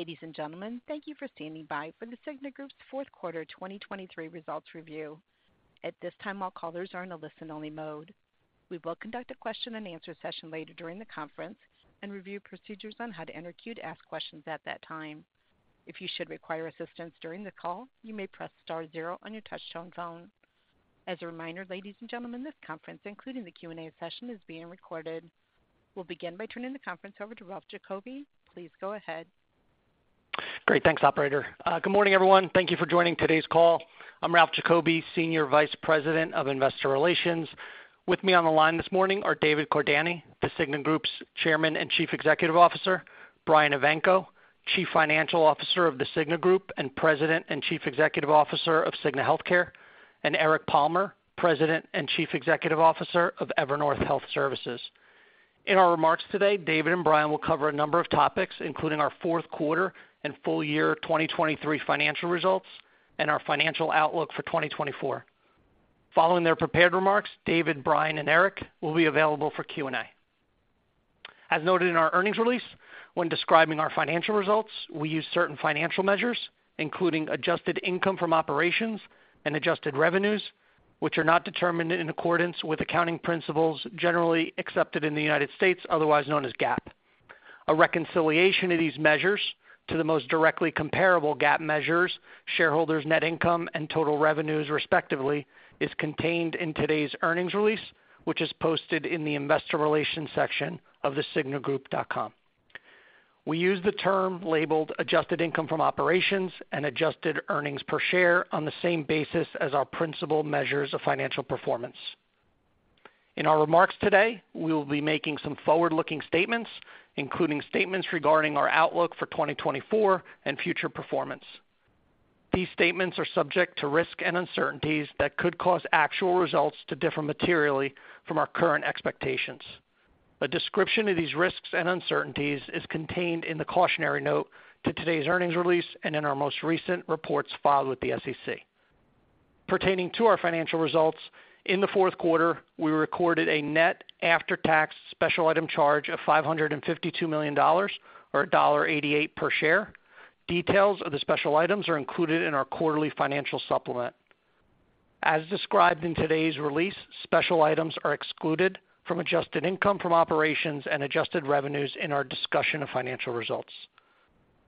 Ladies and gentlemen, thank you for standing by for the Cigna Group's fourth quarter 2023 results review. At this time, all callers are in a listen-only mode. We will conduct a question and answer session later during the conference and review procedures on how to enter queue to ask questions at that time. If you should require assistance during the call, you may press star zero on your touchtone phone. As a reminder, ladies and gentlemen, this conference, including the Q&A session, is being recorded. We'll begin by turning the conference over to Ralph Giacobbe. Please go ahead. Great. Thanks, operator. Good morning, everyone. Thank you for joining today's call. I'm Ralph Giacobbe, Senior Vice President of Investor Relations. With me on the line this morning are David Cordani, The Cigna Group's Chairman and Chief Executive Officer, Brian Evanko, Chief Financial Officer of The Cigna Group and President and Chief Executive Officer of Cigna Healthcare, and Eric Palmer, President and Chief Executive Officer of Evernorth Health Services. In our remarks today, David and Brian will cover a number of topics, including our fourth quarter and full year 2023 financial results and our financial outlook for 2024. Following their prepared remarks, David, Brian, and Eric will be available for Q&A. As noted in our earnings release, when describing our financial results, we use certain financial measures, including adjusted income from operations and adjusted revenues, which are not determined in accordance with accounting principles generally accepted in the United States, otherwise known as GAAP. A reconciliation of these measures to the most directly comparable GAAP measures, shareholders' net income and total revenues, respectively, is contained in today's earnings release, which is posted in the Investor Relations section of the cignagroup.com. We use the term labeled adjusted income from operations and adjusted earnings per share on the same basis as our principal measures of financial performance. In our remarks today, we will be making some forward-looking statements, including statements regarding our outlook for 2024 and future performance. These statements are subject to risks and uncertainties that could cause actual results to differ materially from our current expectations. A description of these risks and uncertainties is contained in the cautionary note to today's earnings release and in our most recent reports filed with the SEC. Pertaining to our financial results, in the fourth quarter, we recorded a net after-tax special item charge of $552 million, or $1.88 per share. Details of the special items are included in our quarterly financial supplement. As described in today's release, special items are excluded from adjusted income from operations and adjusted revenues in our discussion of financial results.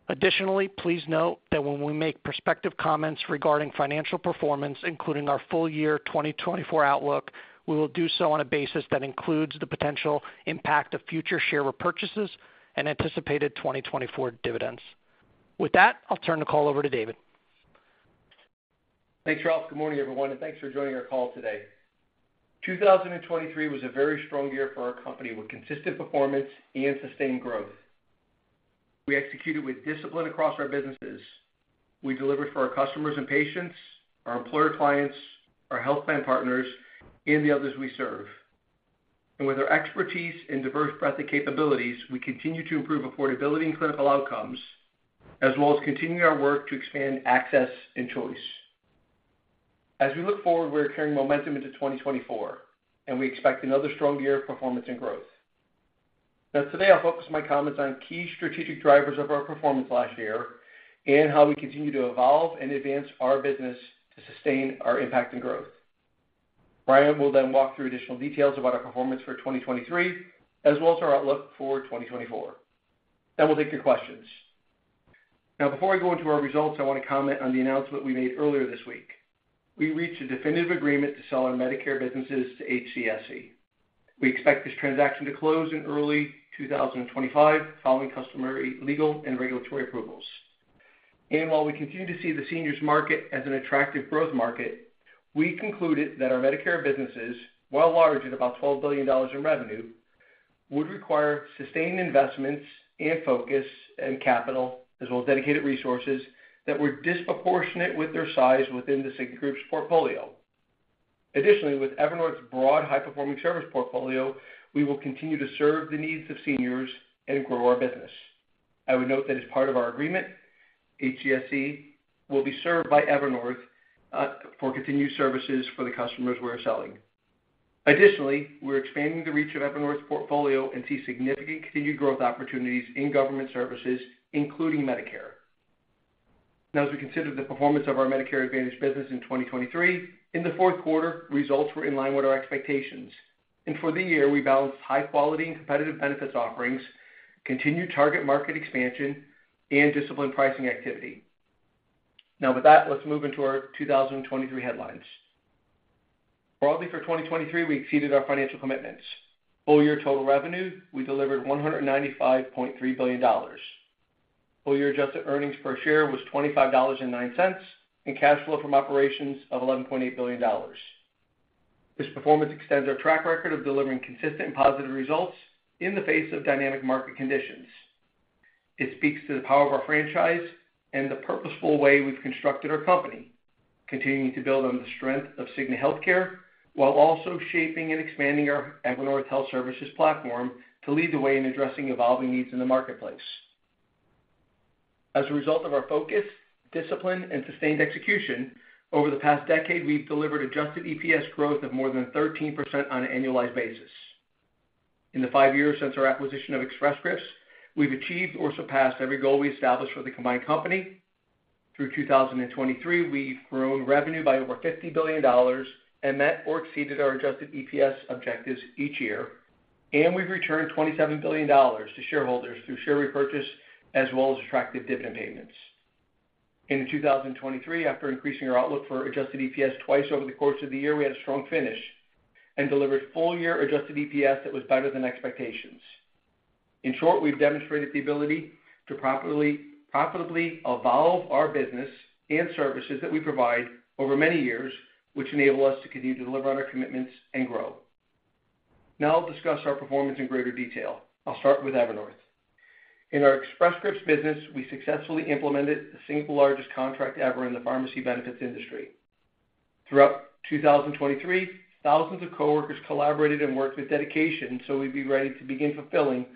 Additionally, please note that when we make prospective comments regarding financial performance, including our full year 2024 outlook, we will do so on a basis that includes the potential impact of future share repurchases and anticipated 2024 dividends. With that, I'll turn the call over to David. Thanks, Ralph. Good morning, everyone, and thanks for joining our call today. 2023 was a very strong year for our company, with consistent performance and sustained growth. We executed with discipline across our businesses. We delivered for our customers and patients, our employer clients, our health plan partners, and the others we serve. With our expertise and diverse breadth of capabilities, we continue to improve affordability and clinical outcomes, as well as continuing our work to expand access and choice. As we look forward, we're carrying momentum into 2024, and we expect another strong year of performance and growth. Now, today, I'll focus my comments on key strategic drivers of our performance last year and how we continue to evolve and advance our business to sustain our impact and growth. Brian will then walk through additional details about our performance for 2023, as well as our outlook for 2024. Then we'll take your questions. Now, before I go into our results, I want to comment on the announcement we made earlier this week. We reached a definitive agreement to sell our Medicare businesses to HCSC. We expect this transaction to close in early 2025, following customary legal and regulatory approvals. And while we continue to see the seniors market as an attractive growth market, we concluded that our Medicare businesses, while large at about $12 billion in revenue, would require sustained investments and focus and capital, as well as dedicated resources that were disproportionate with their size within The Cigna Group's portfolio. Additionally, with Evernorth's broad, high-performing service portfolio, we will continue to serve the needs of seniors and grow our business. I would note that as part of our agreement, HCSC will be served by Evernorth for continued services for the customers we're selling. Additionally, we're expanding the reach of Evernorth's portfolio and see significant continued growth opportunities in government services, including Medicare. Now, as we consider the performance of our Medicare Advantage business in 2023, in the fourth quarter, results were in line with our expectations, and for the year, we balanced high quality and competitive benefits offerings, continued target market expansion, and disciplined pricing activity. Now, with that, let's move into our 2023 headlines. Broadly, for 2023, we exceeded our financial commitments. Full year total revenue, we delivered $195.3 billion. Full year adjusted earnings per share was $25.09, and cash flow from operations of $11.8 billion. This performance extends our track record of delivering consistent and positive results in the face of dynamic market conditions. It speaks to the power of our franchise and the purposeful way we've constructed our company, continuing to build on the strength of Cigna Healthcare, while also shaping and expanding our Evernorth Health Services platform to lead the way in addressing evolving needs in the marketplace. As a result of our focus, discipline, and sustained execution, over the past decade, we've delivered adjusted EPS growth of more than 13% on an annualized basis. In the five years since our acquisition of Express Scripts, we've achieved or surpassed every goal we established for the combined company. Through 2023, we've grown revenue by over $50 billion and met or exceeded our adjusted EPS objectives each year, and we've returned $27 billion to shareholders through share repurchase as well as attractive dividend payments. In 2023, after increasing our outlook for adjusted EPS twice over the course of the year, we had a strong finish and delivered full year adjusted EPS that was better than expectations. In short, we've demonstrated the ability to profitably evolve our business and services that we provide over many years, which enable us to continue to deliver on our commitments and grow. Now I'll discuss our performance in greater detail. I'll start with Evernorth. In our Express Scripts business, we successfully implemented the single largest contract ever in the pharmacy benefits industry. Throughout 2023, thousands of coworkers collaborated and worked with dedication, so we'd be ready to begin fulfilling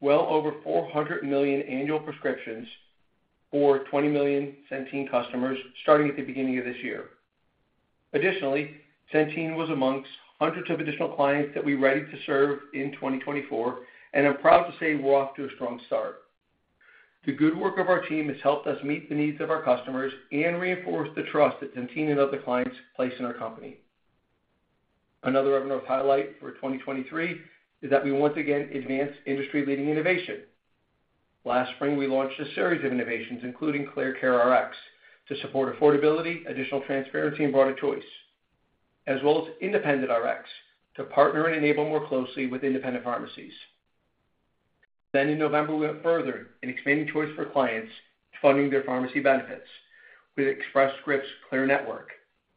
well over 400 million annual prescriptions for 20 million Centene customers, starting at the beginning of this year. Additionally, Centene was amongst hundreds of additional clients that we're ready to serve in 2024, and I'm proud to say we're off to a strong start. The good work of our team has helped us meet the needs of our customers and reinforce the trust that Centene and other clients place in our company. Another Evernorth highlight for 2023 is that we once again advanced industry-leading innovation. Last spring, we launched a series of innovations, including ClearCareRx, to support affordability, additional transparency, and broader choice, as well as IndependentRx to partner and enable more closely with independent pharmacies. Then in November, we went further in expanding choice for clients funding their pharmacy benefits with Express Scripts ClearNetwork.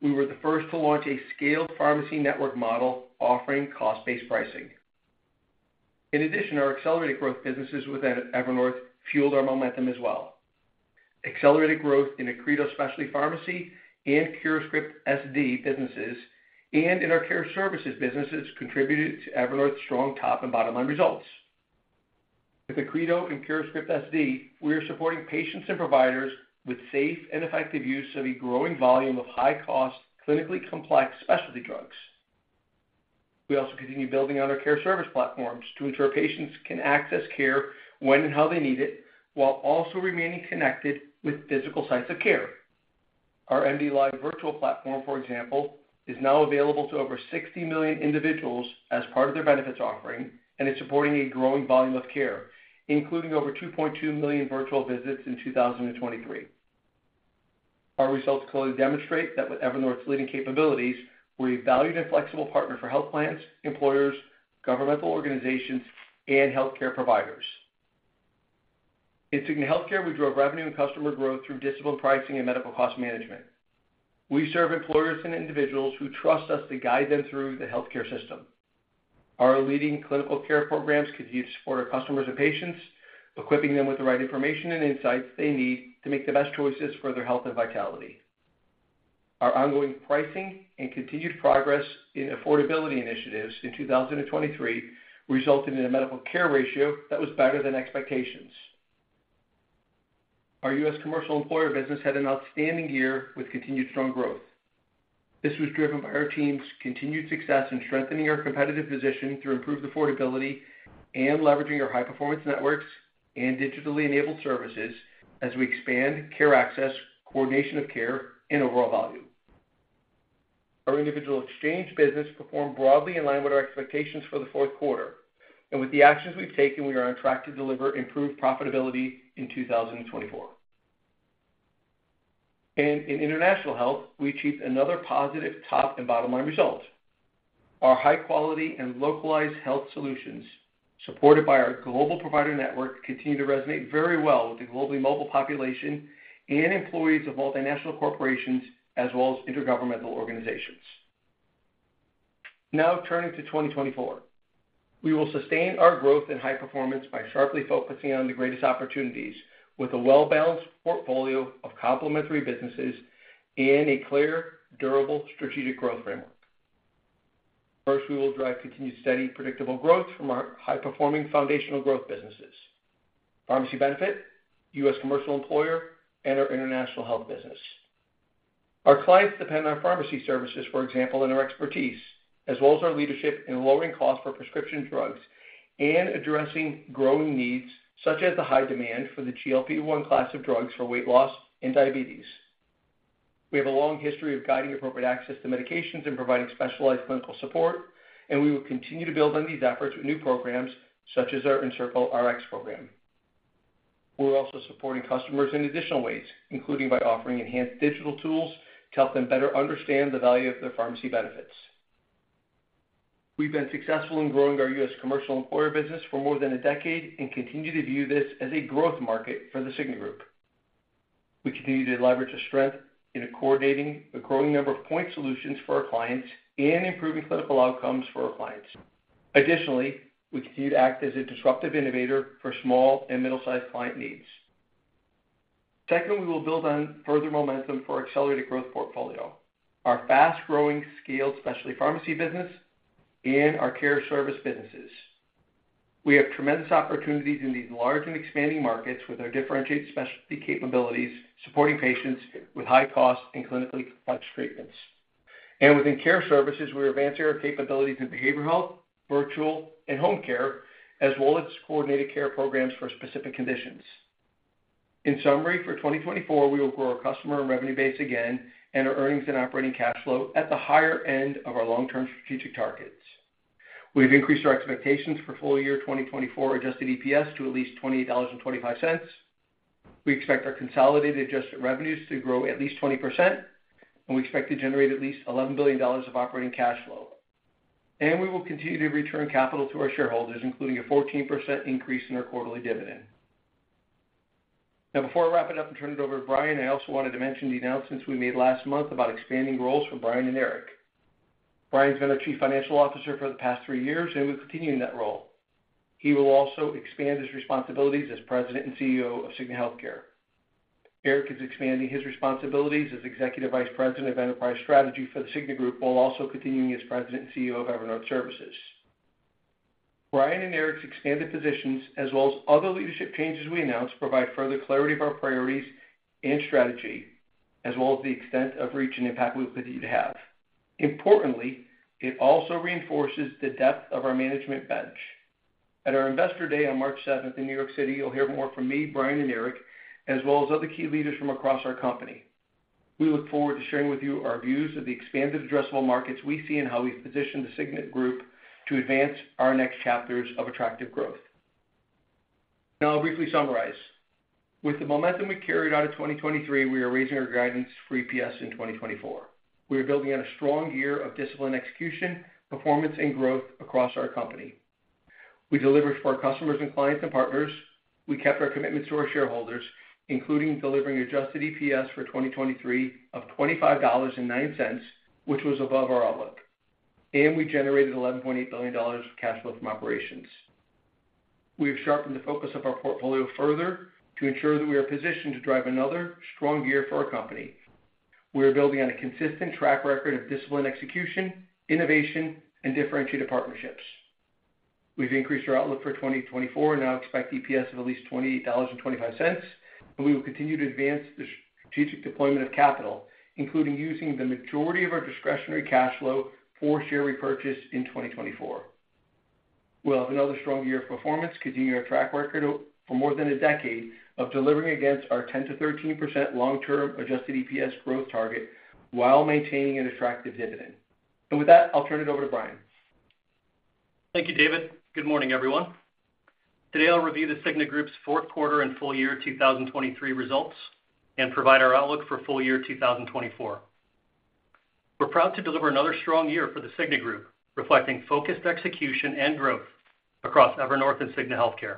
We were the first to launch a scaled pharmacy network model offering cost-based pricing. In addition, our accelerated growth businesses within Evernorth fueled our momentum as well. Accelerated growth in Accredo Specialty Pharmacy and CuraScript SD businesses, and in our care services businesses, contributed to Evernorth's strong top and bottom line results. With Accredo and CuraScript SD, we are supporting patients and providers with safe and effective use of a growing volume of high-cost, clinically complex specialty drugs. We also continue building out our care service platforms to ensure patients can access care when and how they need it, while also remaining connected with physical sites of care. Our MDLIVE virtual platform, for example, is now available to over 60 million individuals as part of their benefits offering, and it's supporting a growing volume of care, including over 2.2 million virtual visits in 2023. Our results clearly demonstrate that with Evernorth's leading capabilities, we're a valued and flexible partner for health plans, employers, governmental organizations, and healthcare providers. In Cigna Healthcare, we drove revenue and customer growth through disciplined pricing and medical cost management. We serve employers and individuals who trust us to guide them through the healthcare system. Our leading clinical care programs continue to support our customers and patients, equipping them with the right information and insights they need to make the best choices for their health and vitality. Our ongoing pricing and continued progress in affordability initiatives in 2023 resulted in a medical care ratio that was better than expectations. Our U.S. commercial employer business had an outstanding year with continued strong growth. This was driven by our team's continued success in strengthening our competitive position through improved affordability and leveraging our high-performance networks and digitally enabled services as we expand care access, coordination of care, and overall value. Our individual exchange business performed broadly in line with our expectations for the fourth quarter, and with the actions we've taken, we are on track to deliver improved profitability in 2024. In international health, we achieved another positive top and bottom line result. Our high quality and localized health solutions, supported by our global provider network, continue to resonate very well with the globally mobile population and employees of multinational corporations, as well as intergovernmental organizations. Now turning to 2024. We will sustain our growth and high performance by sharply focusing on the greatest opportunities with a well-balanced portfolio of complementary businesses and a clear, durable, strategic growth framework. First, we will drive continued, steady, predictable growth from our high-performing foundational growth businesses: pharmacy benefit, U.S. commercial employer, and our international health business. Our clients depend on our pharmacy services, for example, and our expertise, as well as our leadership in lowering costs for prescription drugs and addressing growing needs, such as the high demand for the GLP-1 class of drugs for weight loss and diabetes. We have a long history of guiding appropriate access to medications and providing specialized clinical support, and we will continue to build on these efforts with new programs such as our EncircleRx program. We're also supporting customers in additional ways, including by offering enhanced digital tools to help them better understand the value of their pharmacy benefits. We've been successful in growing our U.S. commercial employer business for more than a decade and continue to view this as a growth market for The Cigna Group. We continue to leverage the strength in coordinating a growing number of point solutions for our clients and improving clinical outcomes for our clients. Additionally, we continue to act as a disruptive innovator for small and middle-sized client needs. Secondly, we will build on further momentum for our accelerated growth portfolio, our fast-growing, scaled specialty pharmacy business, and our care service businesses. We have tremendous opportunities in these large and expanding markets with our differentiated specialty capabilities, supporting patients with high cost and clinically complex treatments, and within care services, we are advancing our capabilities in behavioral health, virtual and home care, as well as coordinated care programs for specific conditions. In summary, for 2024, we will grow our customer and revenue base again and our earnings and operating cash flow at the higher end of our long-term strategic targets. We've increased our expectations for full year 2024 adjusted EPS to at least $28.25. We expect our consolidated adjusted revenues to grow at least 20%, and we expect to generate at least $11 billion of operating cash flow. We will continue to return capital to our shareholders, including a 14% increase in our quarterly dividend. Now, before I wrap it up and turn it over to Brian, I also wanted to mention the announcements we made last month about expanding roles for Brian and Eric. Brian's been our Chief Financial Officer for the past three years, and will continue in that role. He will also expand his responsibilities as President and CEO of Cigna Healthcare. Eric is expanding his responsibilities as Executive Vice President of Enterprise Strategy for The Cigna Group, while also continuing as President and CEO of Evernorth Services. Brian and Eric's expanded positions, as well as other leadership changes we announced, provide further clarity of our priorities and strategy, as well as the extent of reach and impact we continue to have. Importantly, it also reinforces the depth of our management bench. At our Investor Day on March seventh in New York City, you'll hear more from me, Brian, and Eric, as well as other key leaders from across our company. We look forward to sharing with you our views of the expanded addressable markets we see, and how we've positioned The Cigna Group to advance our next chapters of attractive growth. Now I'll briefly summarize. With the momentum we carried out of 2023, we are raising our guidance for EPS in 2024. We are building on a strong year of disciplined execution, performance and growth across our company. We delivered for our customers and clients and partners. We kept our commitment to our shareholders, including delivering adjusted EPS for 2023 of $25.09, which was above our outlook, and we generated $11.8 billion of cash flow from operations. We have sharpened the focus of our portfolio further to ensure that we are positioned to drive another strong year for our company. We are building on a consistent track record of disciplined execution, innovation, and differentiated partnerships. We've increased our outlook for 2024, and now expect EPS of at least $28.25, and we will continue to advance the strategic deployment of capital, including using the majority of our discretionary cash flow for share repurchase in 2024. We'll have another strong year of performance, continuing our track record for more than a decade of delivering against our 10%-13% long-term adjusted EPS growth target, while maintaining an attractive dividend. And with that, I'll turn it over to Brian. Thank you, David. Good morning, everyone. Today, I'll review The Cigna Group's fourth quarter and full year 2023 results and provide our outlook for full year 2024. We're proud to deliver another strong year for The Cigna Group, reflecting focused execution and growth across Evernorth and Cigna Healthcare.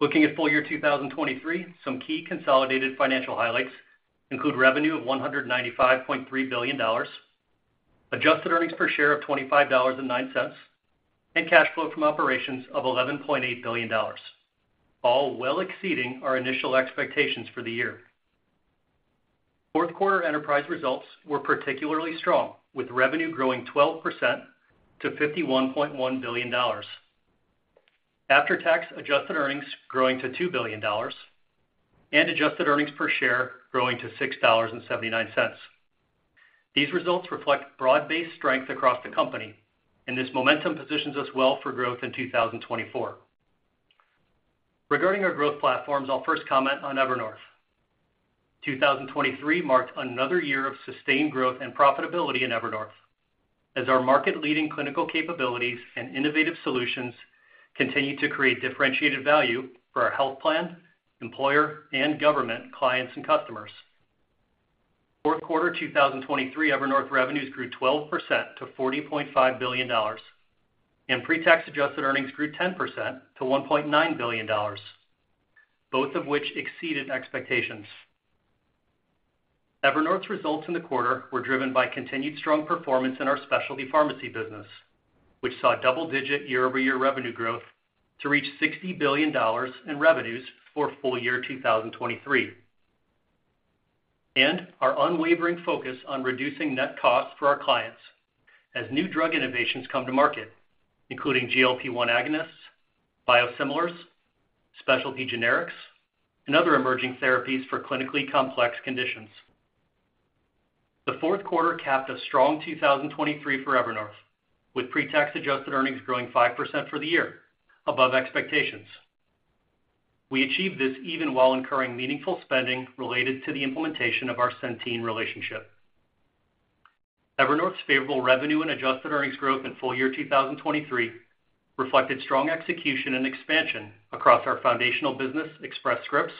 Looking at full year 2023, some key consolidated financial highlights include revenue of $195.3 billion, adjusted earnings per share of $25.09, and cash flow from operations of $11.8 billion, all well exceeding our initial expectations for the year. Fourth quarter enterprise results were particularly strong, with revenue growing 12% to $51.1 billion, after-tax adjusted earnings growing to $2 billion, and adjusted earnings per share growing to $6.79. These results reflect broad-based strength across the company, and this momentum positions us well for growth in 2024. Regarding our growth platforms, I'll first comment on Evernorth. 2023 marked another year of sustained growth and profitability in Evernorth, as our market-leading clinical capabilities and innovative solutions continued to create differentiated value for our health plan, employer, and government clients and customers. Fourth quarter 2023, Evernorth revenues grew 12% to $40.5 billion, and pre-tax adjusted earnings grew 10% to $1.9 billion, both of which exceeded expectations. Evernorth's results in the quarter were driven by continued strong performance in our specialty pharmacy business, which saw double-digit year-over-year revenue growth to reach $60 billion in revenues for full year 2023. And our unwavering focus on reducing net costs for our clients as new drug innovations come to market, including GLP-1 agonists, biosimilars, specialty generics, and other emerging therapies for clinically complex conditions. The fourth quarter capped a strong 2023 for Evernorth, with pre-tax adjusted earnings growing 5% for the year, above expectations. We achieved this even while incurring meaningful spending related to the implementation of our Centene relationship. Evernorth's favorable revenue and adjusted earnings growth in full year 2023 reflected strong execution and expansion across our foundational business, Express Scripts,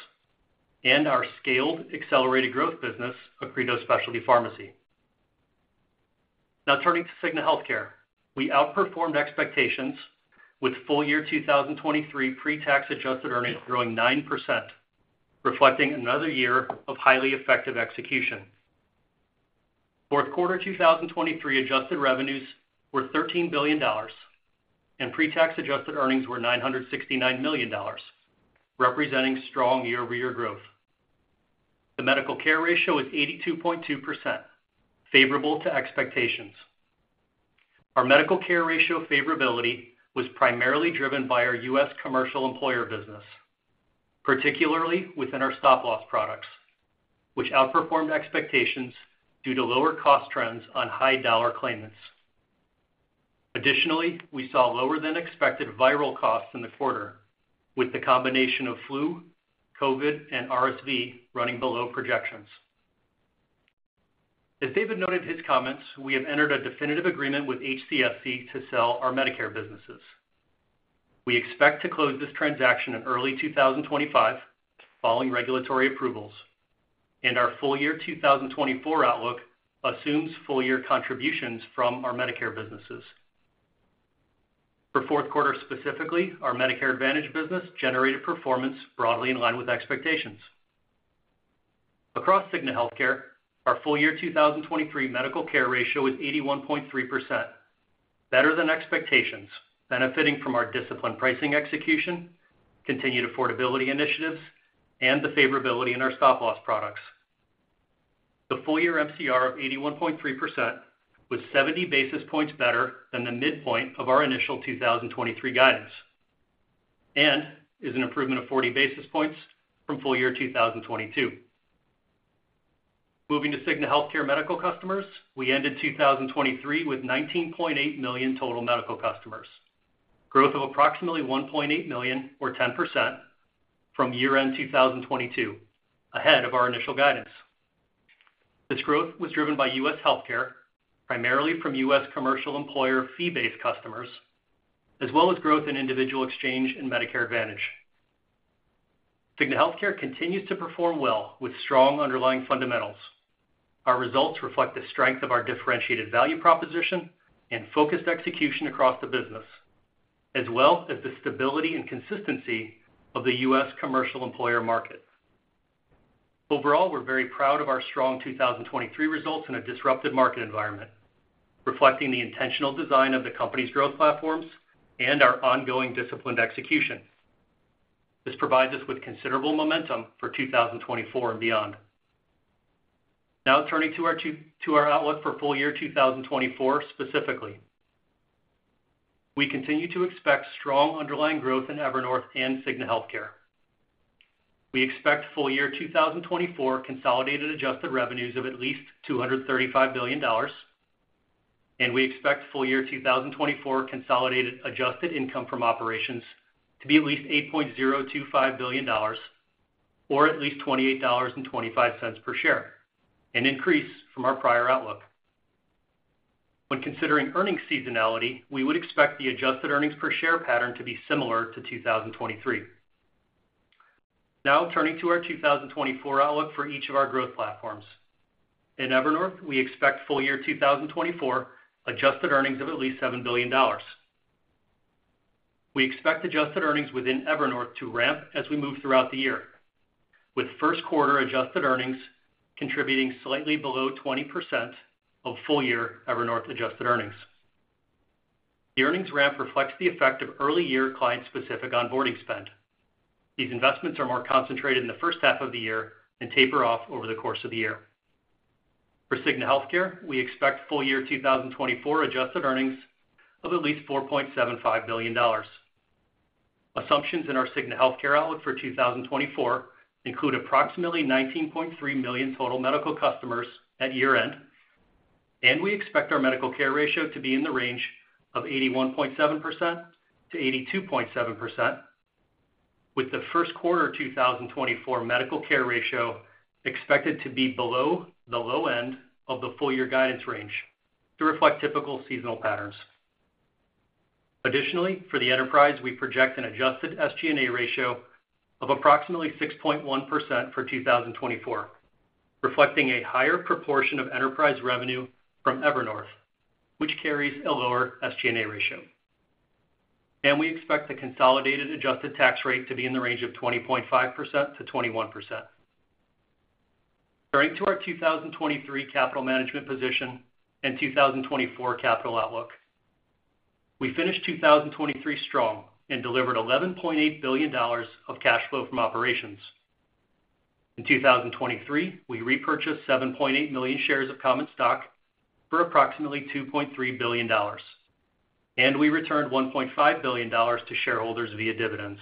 and our scaled accelerated growth business, Accredo Specialty Pharmacy. Now turning to Cigna Healthcare. We outperformed expectations with full year 2023 pre-tax adjusted earnings growing 9%, reflecting another year of highly effective execution. Fourth quarter 2023 adjusted revenues were $13 billion, and pre-tax adjusted earnings were $969 million, representing strong year-over-year growth. The medical care ratio is 82.2%, favorable to expectations. Our medical care ratio favorability was primarily driven by our U.S. commercial employer business, particularly within our stop-loss products, which outperformed expectations due to lower cost trends on high dollar claimants. Additionally, we saw lower than expected viral costs in the quarter, with the combination of flu, COVID, and RSV running below projections. As David noted his comments, we have entered a definitive agreement with HCSC to sell our Medicare businesses. We expect to close this transaction in early 2025, following regulatory approvals, and our full year 2024 outlook assumes full year contributions from our Medicare businesses. For fourth quarter, specifically, our Medicare Advantage business generated performance broadly in line with expectations. Across Cigna Healthcare, our full year 2023 medical care ratio is 81.3%, better than expectations, benefiting from our disciplined pricing execution, continued affordability initiatives, and the favorability in our stop-loss products. The full year MCR of 81.3% was 70 basis points better than the midpoint of our initial 2023 guidance, and is an improvement of 40 basis points from full year 2022. Moving to Cigna Healthcare medical customers, we ended 2023 with 19.8 million total medical customers, growth of approximately 1.8 million, or 10%, from year-end 2022, ahead of our initial guidance. This growth was driven by U.S. healthcare, primarily from U.S. commercial employer fee-based customers, as well as growth in individual exchange and Medicare Advantage. Cigna Healthcare continues to perform well with strong underlying fundamentals. Our results reflect the strength of our differentiated value proposition and focused execution across the business, as well as the stability and consistency of the U.S. commercial employer market. Overall, we're very proud of our strong 2023 results in a disrupted market environment, reflecting the intentional design of the company's growth platforms and our ongoing disciplined execution. This provides us with considerable momentum for 2024 and beyond. Now turning to our outlook for full year 2024 specifically. We continue to expect strong underlying growth in Evernorth and Cigna Healthcare. We expect full year 2024 consolidated adjusted revenues of at least $235 billion, and we expect full year 2024 consolidated adjusted income from operations to be at least $8.025 billion or at least $28.25 per share, an increase from our prior outlook. When considering earnings seasonality, we would expect the adjusted earnings per share pattern to be similar to 2023. Now, turning to our 2024 outlook for each of our growth platforms. In Evernorth, we expect full year 2024 adjusted earnings of at least $7 billion. We expect adjusted earnings within Evernorth to ramp as we move throughout the year, with first quarter adjusted earnings contributing slightly below 20% of full year Evernorth adjusted earnings. The earnings ramp reflects the effect of early year client-specific onboarding spend. These investments are more concentrated in the first half of the year and taper off over the course of the year. For Cigna Healthcare, we expect full year 2024 adjusted earnings of at least $4.75 billion. Assumptions in our Cigna Healthcare outlook for 2024 include approximately 19.3 million total medical customers at year-end, and we expect our medical care ratio to be in the range of 81.7%-82.7%, with the first quarter 2024 medical care ratio expected to be below the low end of the full year guidance range to reflect typical seasonal patterns. Additionally, for the enterprise, we project an adjusted SG&A ratio of approximately 6.1% for 2024, reflecting a higher proportion of enterprise revenue from Evernorth, which carries a lower SG&A ratio. We expect the consolidated adjusted tax rate to be in the range of 20.5%-21%. Turning to our 2023 capital management position and 2024 capital outlook. We finished 2023 strong and delivered $11.8 billion of cash flow from operations. In 2023, we repurchased 7.8 million shares of common stock for approximately $2.3 billion, and we returned $1.5 billion to shareholders via dividends.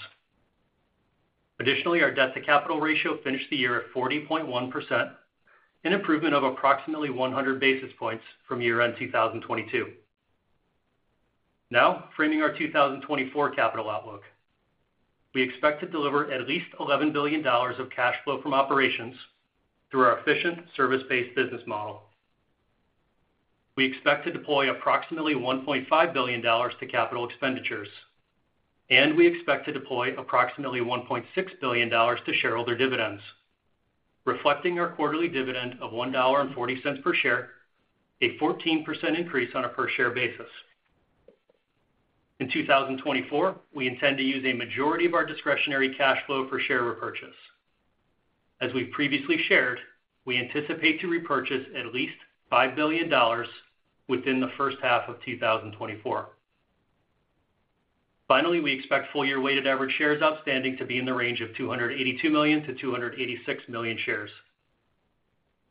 Additionally, our debt-to-capital ratio finished the year at 40.1%, an improvement of approximately 100 basis points from year-end 2022. Now, framing our 2024 capital outlook. We expect to deliver at least $11 billion of cash flow from operations through our efficient service-based business model. We expect to deploy approximately $1.5 billion to capital expenditures, and we expect to deploy approximately $1.6 billion to shareholder dividends, reflecting our quarterly dividend of $1.40 per share, a 14% increase on a per share basis. In 2024, we intend to use a majority of our discretionary cash flow for share repurchase. As we previously shared, we anticipate to repurchase at least $5 billion within the first half of 2024.... Finally, we expect full year weighted average shares outstanding to be in the range of 282 million-286 million shares.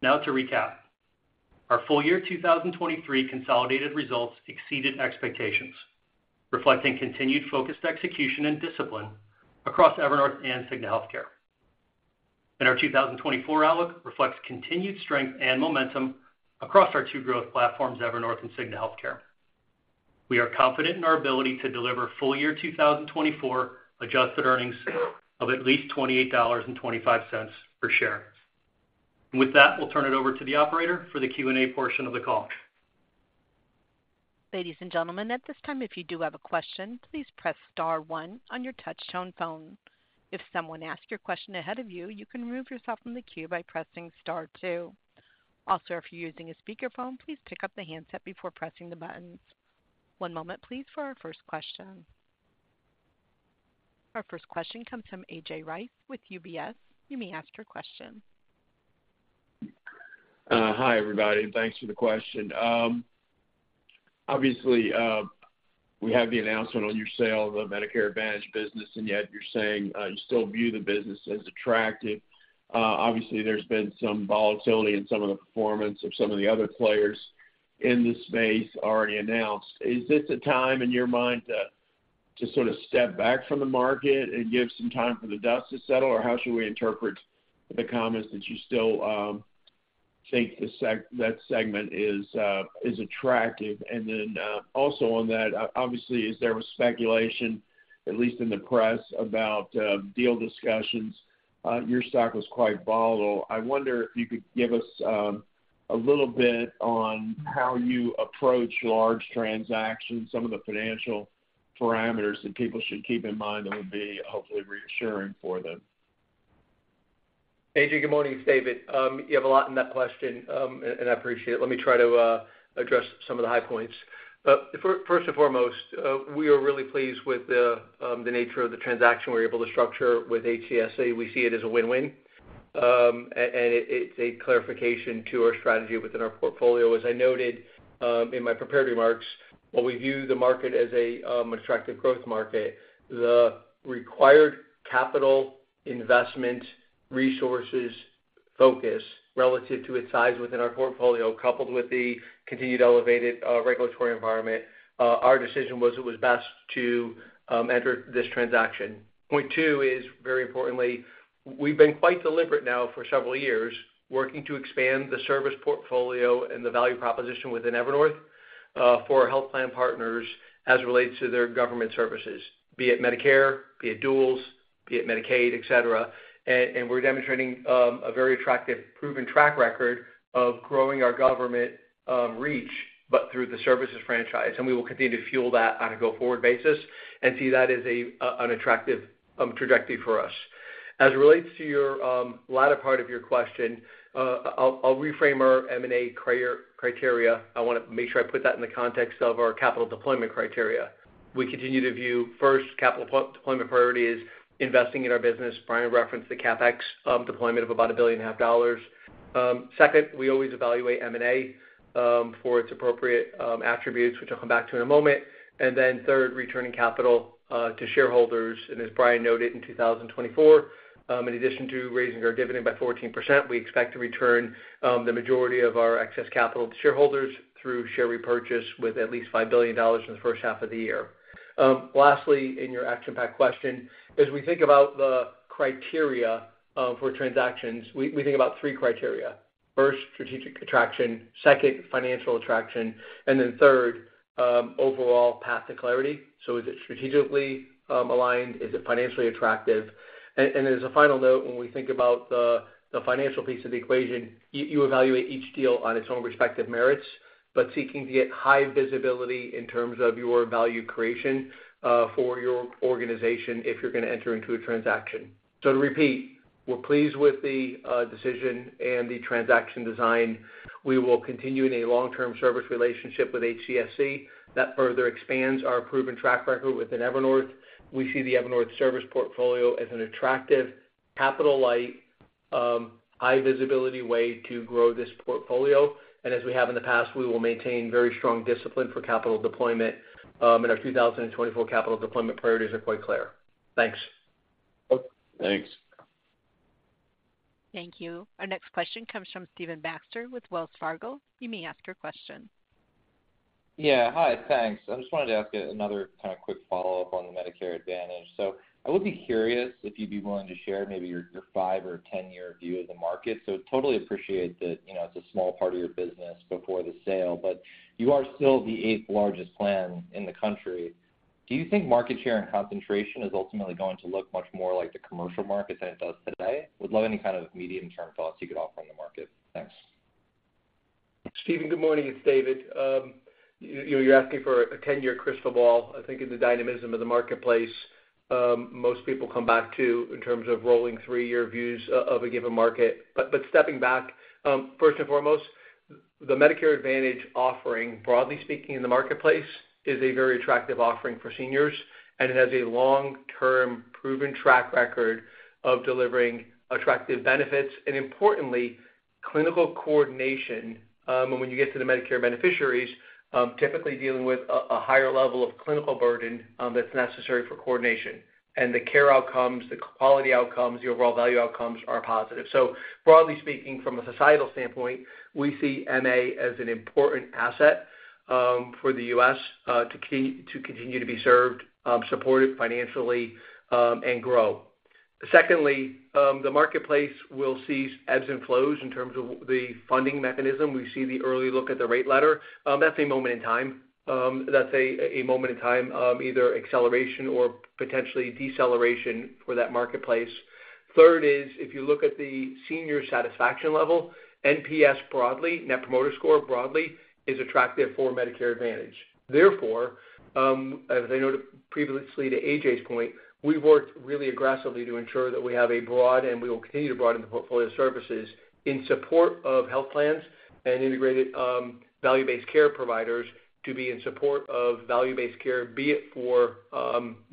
Now to recap, our full year 2023 consolidated results exceeded expectations, reflecting continued focused execution and discipline across Evernorth and Cigna Healthcare. And our 2024 outlook reflects continued strength and momentum across our two growth platforms, Evernorth and Cigna Healthcare. We are confident in our ability to deliver full year 2024 adjusted earnings of at least $28.25 per share. With that, we'll turn it over to the operator for the Q&A portion of the call. Ladies and gentlemen, at this time, if you do have a question, please press star one on your touchtone phone. If someone asks your question ahead of you, you can remove yourself from the queue by pressing star two. Also, if you're using a speakerphone, please pick up the handset before pressing the buttons. One moment please, for our first question. Our first question comes from A.J. Rice with UBS. You may ask your question. Hi, everybody, and thanks for the question. Obviously, we have the announcement on your sale of the Medicare Advantage business, and yet you're saying, you still view the business as attractive. Obviously, there's been some volatility in some of the performance of some of the other players in this space already announced. Is this a time in your mind to sort of step back from the market and give some time for the dust to settle? Or how should we interpret the comments that you still think that segment is attractive? And then, also on that, obviously, as there was speculation, at least in the press, about deal discussions, your stock was quite volatile. I wonder if you could give us a little bit on how you approach large transactions, some of the financial parameters that people should keep in mind that would be hopefully reassuring for them. A.J., good morning. It's David. You have a lot in that question, and I appreciate it. Let me try to address some of the high points. First and foremost, we are really pleased with the nature of the transaction we're able to structure with HCSC. We see it as a win-win, and it, it's a clarification to our strategy within our portfolio. As I noted, in my prepared remarks, while we view the market as a attractive growth market, the required capital investment, resources, focus relative to its size within our portfolio, coupled with the continued elevated regulatory environment, our decision was it was best to enter this transaction. Point two is, very importantly, we've been quite deliberate now for several years, working to expand the service portfolio and the value proposition within Evernorth for our health plan partners as it relates to their government services, be it Medicare, be it Duals, be it Medicaid, et cetera. And we're demonstrating a very attractive, proven track record of growing our government reach, but through the services franchise. And we will continue to fuel that on a go-forward basis and see that as an attractive trajectory for us. As it relates to your latter part of your question, I'll reframe our M&A criteria. I want to make sure I put that in the context of our capital deployment criteria. We continue to view, first, capital deployment priority is investing in our business. Brian referenced the CapEx deployment of about $1.5 billion. Second, we always evaluate M&A for its appropriate attributes, which I'll come back to in a moment. And then third, returning capital to shareholders. And as Brian noted, in 2024, in addition to raising our dividend by 14%, we expect to return the majority of our excess capital to shareholders through share repurchase with at least $5 billion in the first half of the year. Lastly, in your action-packed question, as we think about the criteria for transactions, we think about three criteria. First, strategic attraction, second, financial attraction, and then third, overall path to clarity. So is it strategically aligned? Is it financially attractive? As a final note, when we think about the financial piece of the equation, you evaluate each deal on its own respective merits, but seeking to get high visibility in terms of your value creation for your organization, if you're going to enter into a transaction. To repeat, we're pleased with the decision and the transaction design. We will continue in a long-term service relationship with HCSC. That further expands our proven track record within Evernorth. We see the Evernorth service portfolio as an attractive, capital-light, high visibility way to grow this portfolio. As we have in the past, we will maintain very strong discipline for capital deployment, and our 2024 capital deployment priorities are quite clear. Thanks. Thanks. Thank you. Our next question comes from Stephen Baxter with Wells Fargo. You may ask your question. Yeah. Hi, thanks. I just wanted to ask you another kind of quick follow-up on the Medicare Advantage. So I would be curious if you'd be willing to share maybe your, your five- or 10-year view of the market. So totally appreciate that, you know, it's a small part of your business before the sale, but you are still the eighth largest plan in the country. Do you think market share and concentration is ultimately going to look much more like the commercial market than it does today? Would love any kind of medium-term thoughts you could offer on the market. Thanks. Steven, good morning. It's David. You, you're asking for a ten-year crystal ball. I think in the dynamism of the marketplace, most people come back to, in terms of rolling three-year views of a given market. But stepping back, first and foremost, the Medicare Advantage offering, broadly speaking in the marketplace, is a very attractive offering for seniors, and it has a long-term, proven track record of delivering attractive benefits, and importantly-... clinical coordination, and when you get to the Medicare beneficiaries, typically dealing with a higher level of clinical burden, that's necessary for coordination. And the care outcomes, the quality outcomes, the overall value outcomes are positive. So broadly speaking, from a societal standpoint, we see MA as an important asset, for the U.S., to continue to be served, supported financially, and grow. Secondly, the marketplace will see ebbs and flows in terms of the funding mechanism. We see the early look at the rate letter. That's a moment in time. That's a moment in time, either acceleration or potentially deceleration for that marketplace. Third is, if you look at the senior satisfaction level, NPS broadly, Net Promoter Score, broadly, is attractive for Medicare Advantage. Therefore, as I noted previously, to AJ's point, we've worked really aggressively to ensure that we have a broad, and we will continue to broaden the portfolio of services in support of health plans and integrated value-based care providers to be in support of value-based care, be it for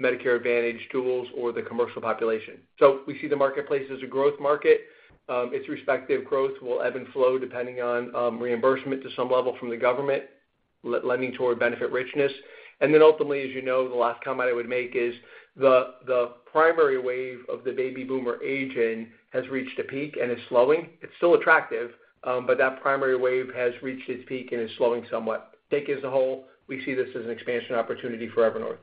Medicare Advantage tools or the commercial population. So we see the marketplace as a growth market. Its respective growth will ebb and flow depending on reimbursement to some level from the government, lending toward benefit richness. And then ultimately, as you know, the last comment I would make is the primary wave of the baby boomer aging has reached a peak and is slowing. It's still attractive, but that primary wave has reached its peak and is slowing somewhat. Taken as a whole, we see this as an expansion opportunity for Evernorth.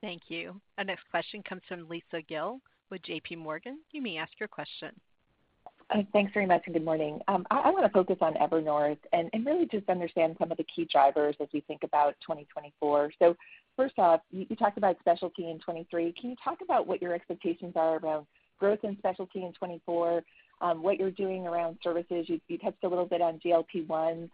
Thank you. Our next question comes from Lisa Gill with JPMorgan. You may ask your question. Thanks very much, and good morning. I wanna focus on Evernorth and really just understand some of the key drivers as we think about 2024. So first off, you talked about specialty in 2023. Can you talk about what your expectations are around growth in specialty in 2024, what you're doing around services? You touched a little bit on GLP-1s,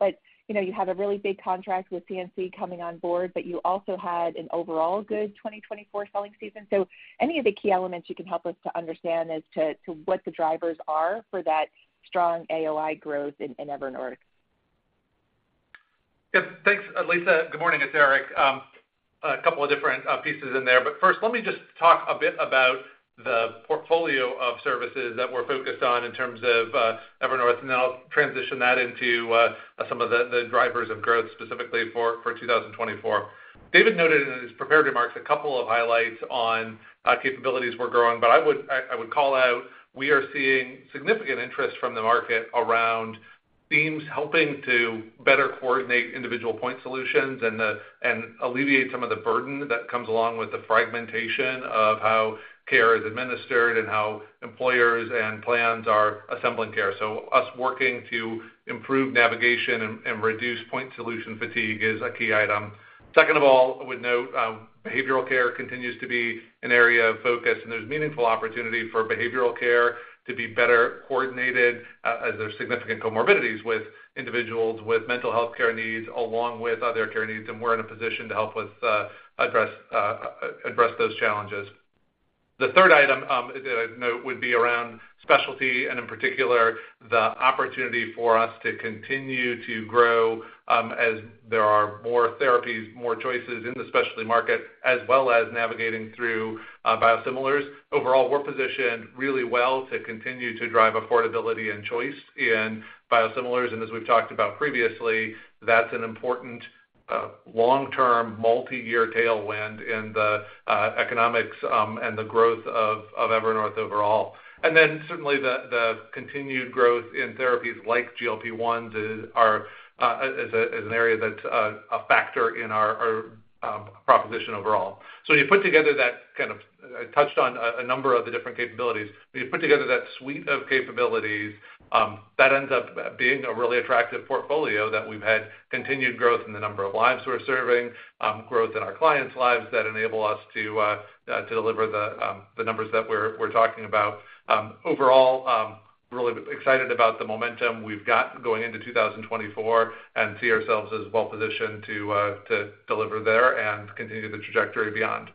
but you know, you have a really big contract with PNC coming on board, but you also had an overall good 2024 selling season. So any of the key elements you can help us to understand as to what the drivers are for that strong AOI growth in Evernorth? Yep. Thanks, Lisa. Good morning, it's Eric. A couple of different pieces in there, but first, let me just talk a bit about the portfolio of services that we're focused on in terms of Evernorth, and then I'll transition that into some of the drivers of growth, specifically for 2024. David noted in his prepared remarks a couple of highlights on capabilities we're growing, but I would call out, we are seeing significant interest from the market around themes helping to better coordinate individual point solutions and alleviate some of the burden that comes along with the fragmentation of how care is administered and how employers and plans are assembling care. So us working to improve navigation and reduce point solution fatigue is a key item. Second of all, I would note, behavioral care continues to be an area of focus, and there's meaningful opportunity for behavioral care to be better coordinated, as there's significant comorbidities with individuals with mental health care needs, along with other care needs, and we're in a position to help with address those challenges. The third item, that I'd note would be around specialty, and in particular, the opportunity for us to continue to grow, as there are more therapies, more choices in the specialty market, as well as navigating through Biosimilars. Overall, we're positioned really well to continue to drive affordability and choice in Biosimilars, and as we've talked about previously, that's an important long-term, multi-year tailwind in the economics and the growth of Evernorth overall. Certainly, the continued growth in therapies like GLP-1s is an area that's a factor in our proposition overall. So you put together that kind of... I touched on a number of the different capabilities. When you put together that suite of capabilities, that ends up being a really attractive portfolio that we've had continued growth in the number of lives we're serving, growth in our clients' lives that enable us to deliver the numbers that we're talking about. Overall, really excited about the momentum we've got going into 2024 and see ourselves as well positioned to deliver there and continue the trajectory beyond.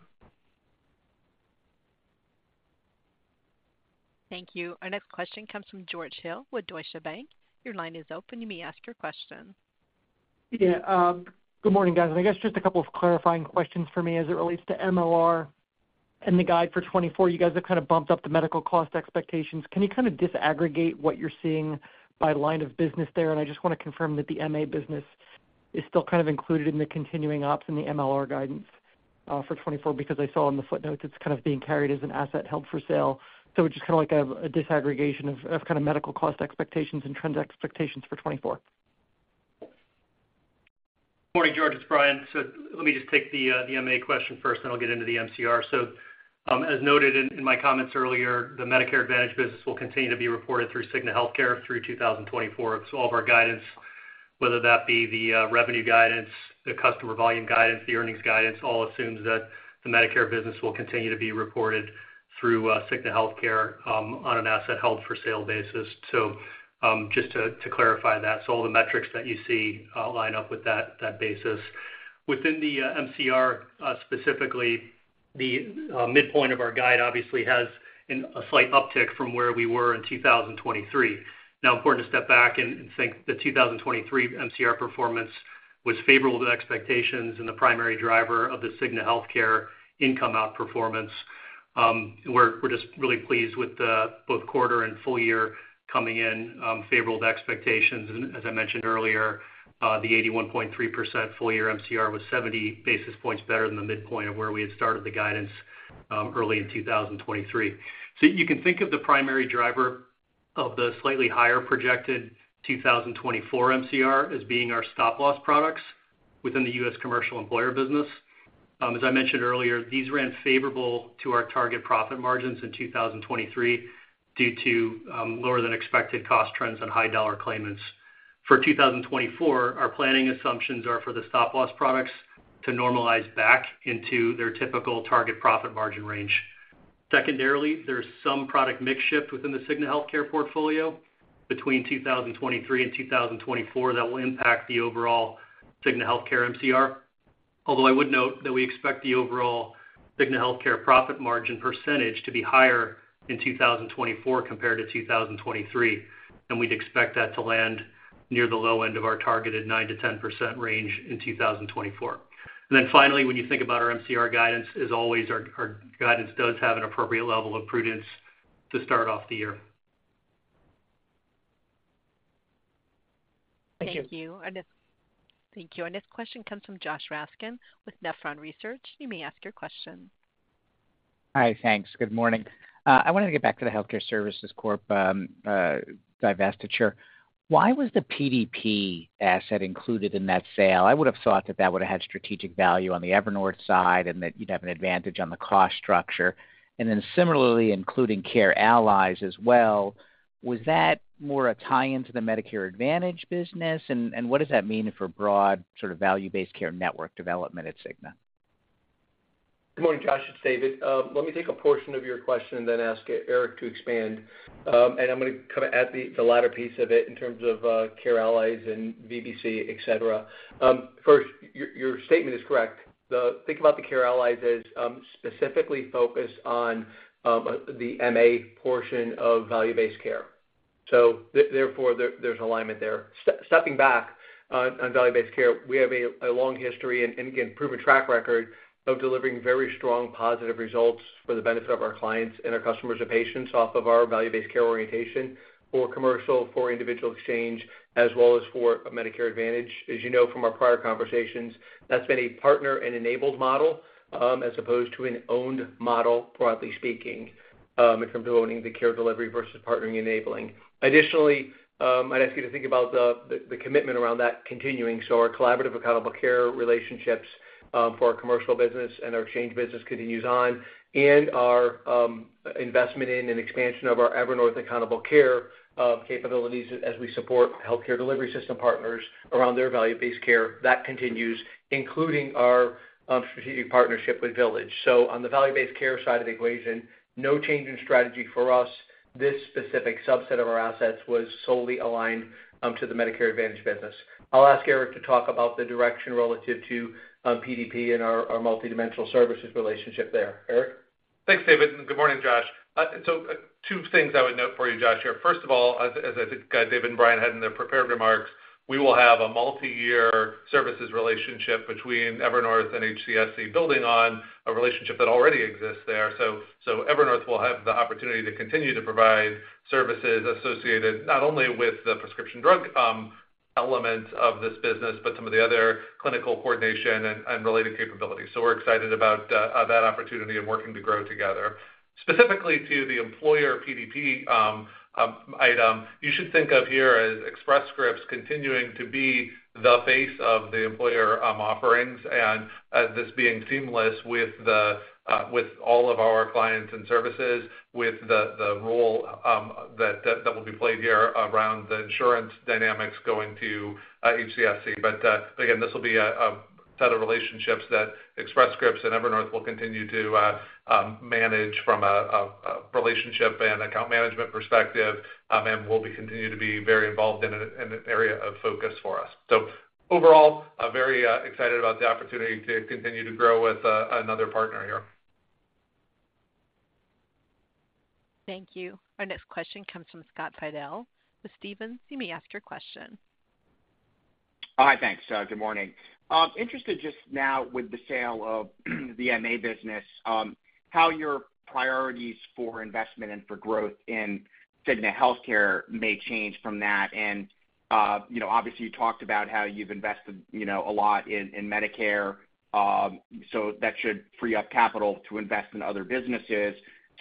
Thank you. Our next question comes from George Hill with Deutsche Bank. Your line is open. You may ask your question. Yeah, good morning, guys. I guess just a couple of clarifying questions for me as it relates to MLR and the guide for 2024. You guys have kind of bumped up the medical cost expectations. Can you kind of disaggregate what you're seeing by line of business there? And I just want to confirm that the MA business is still kind of included in the continuing ops in the MLR guidance for 2024, because I saw in the footnotes, it's kind of being carried as an asset held for sale. So just kind of like a disaggregation of kind of medical cost expectations and trends expectations for 2024. Morning, George, it's Brian. So let me just take the MA question first, then I'll get into the MCR. So, as noted in my comments earlier, the Medicare Advantage business will continue to be reported through Cigna Healthcare through 2024. So all of our guidance, whether that be the revenue guidance, the customer volume guidance, the earnings guidance, all assumes that the Medicare business will continue to be reported through Cigna Healthcare on an assets held for sale basis. So, just to clarify that, so all the metrics that you see line up with that basis. Within the MCR, specifically, the midpoint of our guide obviously has a slight uptick from where we were in 2023. Now, important to step back and think the 2023 MCR performance was favorable to expectations, and the primary driver of the Cigna Healthcare income outperformance. ... We're just really pleased with the both quarter and full year coming in favorable to expectations. As I mentioned earlier, the 81.3% full year MCR was 70 basis points better than the midpoint of where we had started the guidance early in 2023. So you can think of the primary driver of the slightly higher projected 2024 MCR as being our stop-loss products within the U.S. commercial employer business. As I mentioned earlier, these ran favorable to our target profit margins in 2023 due to lower than expected cost trends and high dollar claimants. For 2024, our planning assumptions are for the stop-loss products to normalize back into their typical target profit margin range. Secondarily, there's some product mix shift within the Cigna Healthcare portfolio between 2023 and 2024 that will impact the overall Cigna Healthcare MCR. Although I would note that we expect the overall Cigna Healthcare profit margin percentage to be higher in 2024 compared to 2023, and we'd expect that to land near the low end of our targeted 9%-10% range in 2024. Then finally, when you think about our MCR guidance, as always, our guidance does have an appropriate level of prudence to start off the year. Thank you. Thank you. Our next question comes from Josh Raskin with Nephron Research. You may ask your question. Hi, thanks. Good morning. I wanted to get back to the Health Care Service Corp divestiture. Why was the PDP asset included in that sale? I would have thought that that would have had strategic value on the Evernorth side, and that you'd have an advantage on the cost structure. And then similarly, including CareAllies as well, was that more a tie-in to the Medicare Advantage business? And, and what does that mean for broad sort of value-based care network development at Cigna? Good morning, Josh, it's David. Let me take a portion of your question and then ask Eric to expand. And I'm gonna kinda add the latter piece of it in terms of CareAllies and VBC, et cetera. First, your statement is correct. Think about the CareAllies as specifically focused on the MA portion of value-based care. So therefore, there's an alignment there. Stepping back on value-based care, we have a long history and again, proven track record of delivering very strong positive results for the benefit of our clients and our customers are patients off of our value-based care orientation for commercial, for individual exchange, as well as for Medicare Advantage. As you know from our prior conversations, that's been a partner and enabled model, as opposed to an owned model, broadly speaking, in terms of owning the care delivery versus partnering enabling. Additionally, I'd ask you to think about the commitment around that continuing. So our Collaborative Accountable Care relationships, for our commercial business and our exchange business, continues on, and our investment in and expansion of our Evernorth accountable care capabilities as we support healthcare delivery system partners around their Value-Based Care, that continues, including our strategic partnership with Village. So on the Value-Based Care side of the equation, no change in strategy for us. This specific subset of our assets was solely aligned to the Medicare Advantage business. I'll ask Eric to talk about the direction relative to PDP and our multidimensional services relationship there. Eric? Thanks, David, and good morning, Josh. So, two things I would note for you, Josh, here. First of all, as I think David and Brian had in their prepared remarks, we will have a multiyear services relationship between Evernorth and HCSC, building on a relationship that already exists there. So Evernorth will have the opportunity to continue to provide services associated, not only with the prescription drug element of this business, but some of the other clinical coordination and related capabilities. So we're excited about that opportunity and working to grow together. Specifically to the employer PDP, item, you should think of here as Express Scripts continuing to be the face of the employer offerings, and this being seamless with the with all of our clients and services, with the role that will be played here around the insurance dynamics going to HCSC. But again, this will be a set of relationships that Express Scripts and Evernorth will continue to manage from a relationship and account management perspective, and will be continue to be very involved in an area of focus for us. So overall, I'm very excited about the opportunity to continue to grow with another partner here. Thank you. Our next question comes from Scott Fidel. Stephens, you may ask your question. Hi, thanks. Good morning. I'm interested just now with the sale of the MA business, how your priorities for investment and for growth in Cigna Healthcare may change from that. You know, obviously, you talked about how you've invested, you know, a lot in Medicare, so that should free up capital to invest in other businesses.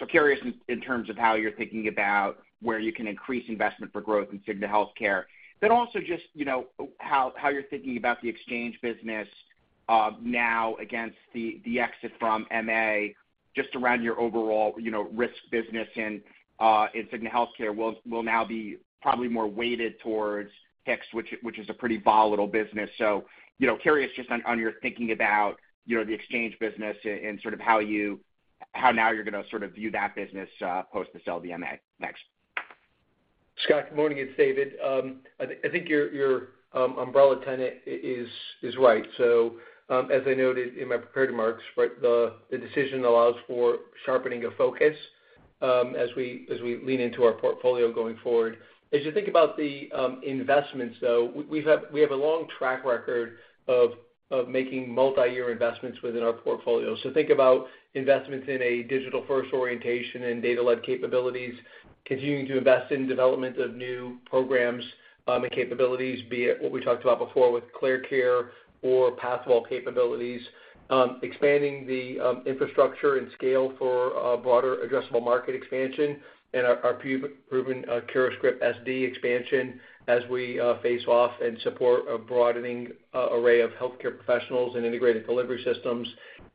Curious in terms of how you're thinking about where you can increase investment for growth in Cigna Healthcare, but also just, you know, how you're thinking about the exchange business, now against the exit from MA, just around your overall, you know, risk business and in Cigna Healthcare will now be probably more weighted towards HIX, which is a pretty volatile business. You know, curious just on, on your thinking about, you know, the exchange business and, and sort of how you-- how now you're gonna sort of view that business post the sale of MA? Thanks. Scott, good morning, it's David. I think your umbrella tenet is right. So, as I noted in my prepared remarks, right, the decision allows for sharpening of focus... as we lean into our portfolio going forward. As you think about the investments, though, we have a long track record of making multi-year investments within our portfolio. So think about investments in a digital-first orientation and data-led capabilities, continuing to invest in development of new programs and capabilities, be it what we talked about before with ClearCare or Pathwell capabilities. Expanding the infrastructure and scale for a broader addressable market expansion and our proven CuraScript SD expansion as we face off and support a broadening array of healthcare professionals and integrated delivery systems.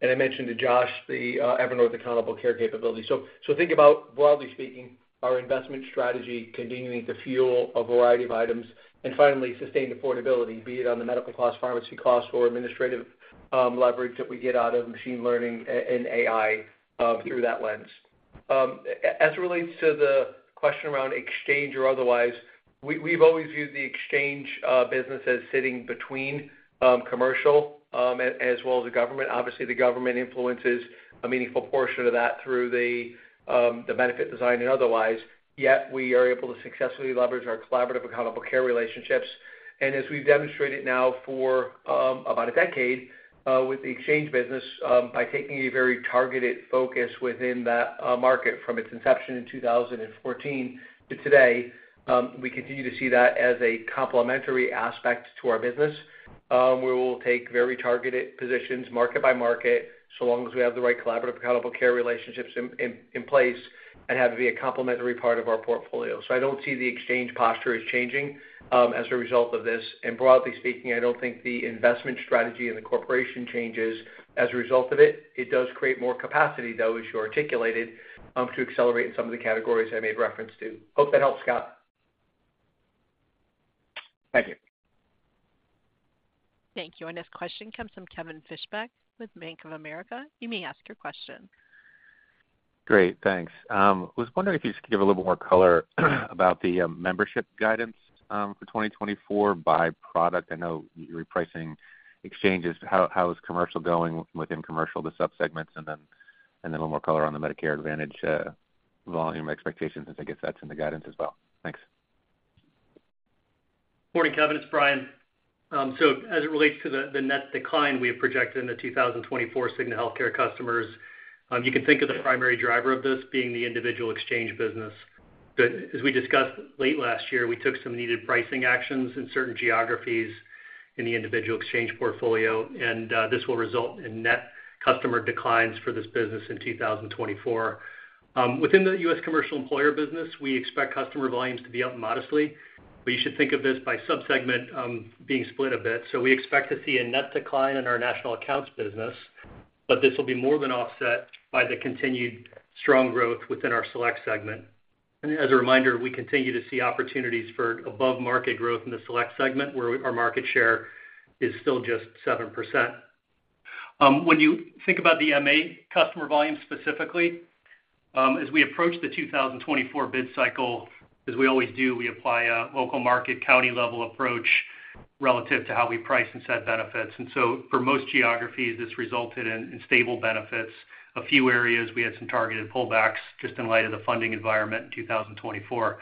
And I mentioned to Josh, the Evernorth Accountable Care capability. So, think about, broadly speaking, our investment strategy continuing to fuel a variety of items, and finally, sustained affordability, be it on the medical class, pharmacy cost, or administrative, leverage that we get out of machine learning and AI, through that lens. As it relates to the question around exchange or otherwise, we, we've always viewed the exchange business as sitting between commercial, as well as the government. Obviously, the government influences a meaningful portion of that through the benefit design and otherwise, yet we are able to successfully leverage our Collaborative Accountable Care relationships. As we've demonstrated now for about a decade with the exchange business, by taking a very targeted focus within that market from its inception in 2014 to today, we continue to see that as a complementary aspect to our business. We will take very targeted positions, market by market, so long as we have the right Collaborative Accountable Care relationships in place, and have it be a complementary part of our portfolio. So I don't see the exchange posture as changing as a result of this. And broadly speaking, I don't think the investment strategy and the corporation changes as a result of it. It does create more capacity, though, as you articulated, to accelerate in some of the categories I made reference to. Hope that helps, Scott. Thank you. Thank you. Our next question comes from Kevin Fischbeck with Bank of America. You may ask your question. Great, thanks. Was wondering if you could give a little more color about the membership guidance for 2024 by product. I know you're repricing exchanges. How is commercial going within commercial, the subsegments, and then a little more color on the Medicare Advantage volume expectations. I think that's in the guidance as well. Thanks. Morning, Kevin, it's Brian. So as it relates to the net decline we have projected in the 2024 Cigna Healthcare customers, you can think of the primary driver of this being the individual exchange business. But as we discussed late last year, we took some needed pricing actions in certain geographies in the individual exchange portfolio, and this will result in net customer declines for this business in 2024. Within the U.S. commercial employer business, we expect customer volumes to be up modestly, but you should think of this by sub-segment, being split a bit. So we expect to see a net decline in our National Accounts business, but this will be more than offset by the continued strong growth within our Select segment. As a reminder, we continue to see opportunities for above-market growth in the Select segment, where our market share is still just 7%. When you think about the MA customer volume, specifically, as we approach the 2024 bid cycle, as we always do, we apply a local market, county-level approach relative to how we price and set benefits. So for most geographies, this resulted in stable benefits. A few areas, we had some targeted pullbacks just in light of the funding environment in 2024.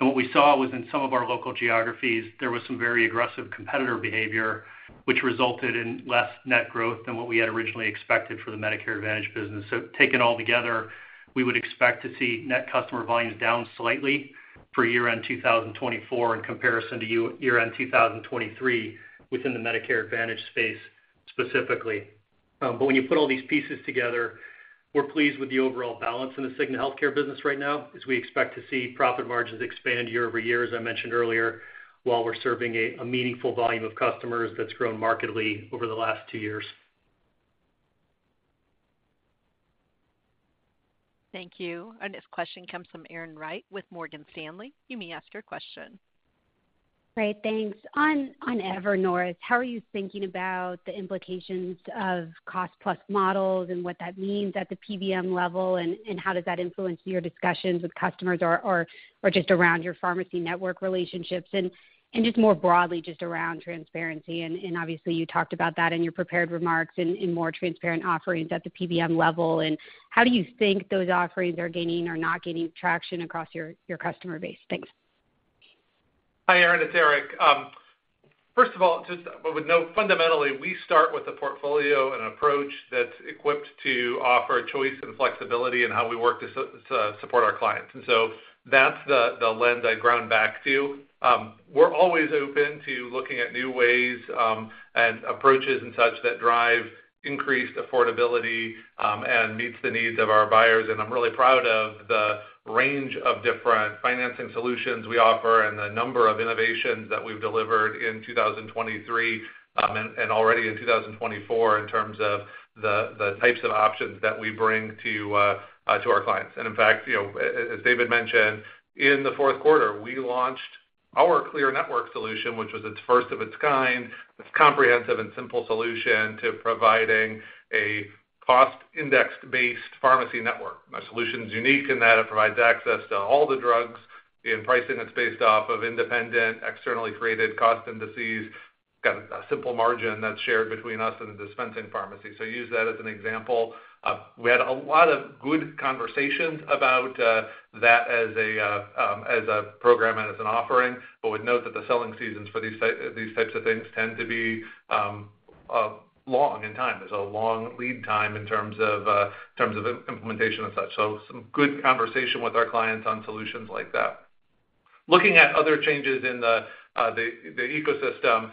And what we saw was in some of our local geographies, there was some very aggressive competitor behavior, which resulted in less net growth than what we had originally expected for the Medicare Advantage business. So taken all together, we would expect to see net customer volumes down slightly for year-end 2024 in comparison to year-end 2023, within the Medicare Advantage space, specifically. But when you put all these pieces together, we're pleased with the overall balance in the Cigna Healthcare business right now, as we expect to see profit margins expand year-over-year, as I mentioned earlier, while we're serving a meaningful volume of customers that's grown markedly over the last two years. Thank you. Our next question comes from Erin Wright with Morgan Stanley. You may ask your question. Great, thanks. On Evernorth, how are you thinking about the implications of cost plus models and what that means at the PBM level, and how does that influence your discussions with customers or just around your pharmacy network relationships? And just more broadly, just around transparency. And obviously, you talked about that in your prepared remarks and in more transparent offerings at the PBM level. And how do you think those offerings are gaining or not gaining traction across your customer base? Thanks. Hi, Erin, it's Eric. First of all, fundamentally, we start with a portfolio and approach that's equipped to offer choice and flexibility in how we work to support our clients. And so that's the lens I ground back to. We're always open to looking at new ways and approaches and such that drive increased affordability and meets the needs of our buyers. And I'm really proud of the range of different financing solutions we offer and the number of innovations that we've delivered in 2023 and already in 2024, in terms of the types of options that we bring to our clients. And in fact, you know, as David mentioned, in the fourth quarter, we launched our Clear Network solution, which was its first of its kind. It's comprehensive and simple solution to providing a cost index-based pharmacy network. Our solution's unique in that it provides access to all the drugs, in pricing that's based off of independent, externally created cost indices.... got a simple margin that's shared between us and the dispensing pharmacy. So use that as an example. We had a lot of good conversations about that as a program and as an offering, but we'd note that the selling seasons for these types of things tend to be long in time. There's a long lead time in terms of implementation and such. So some good conversation with our clients on solutions like that. Looking at other changes in the ecosystem,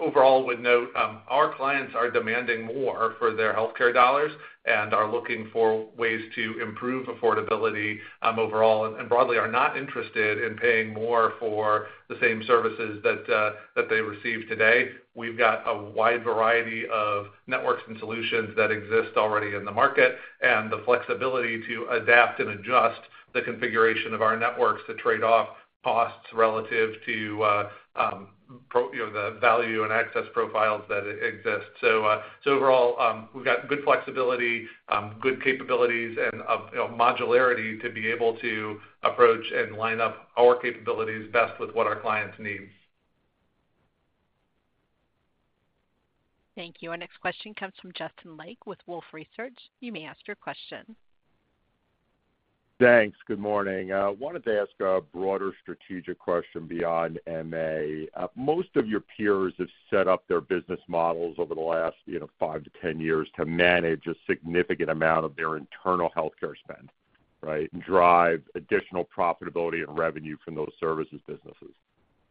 overall, would note our clients are demanding more for their healthcare dollars and are looking for ways to improve affordability, overall, and broadly are not interested in paying more for the same services that they receive today. We've got a wide variety of networks and solutions that exist already in the market, and the flexibility to adapt and adjust the configuration of our networks to trade off costs relative to you know, the value and access profiles that exist. So, overall, we've got good flexibility, good capabilities, and you know, modularity to be able to approach and line up our capabilities best with what our clients need. Thank you. Our next question comes from Justin Lake with Wolfe Research. You may ask your question. Thanks. Good morning. Wanted to ask a broader strategic question beyond MA. Most of your peers have set up their business models over the last, you know, five-10 years to manage a significant amount of their internal healthcare spend, right? And drive additional profitability and revenue from those services businesses.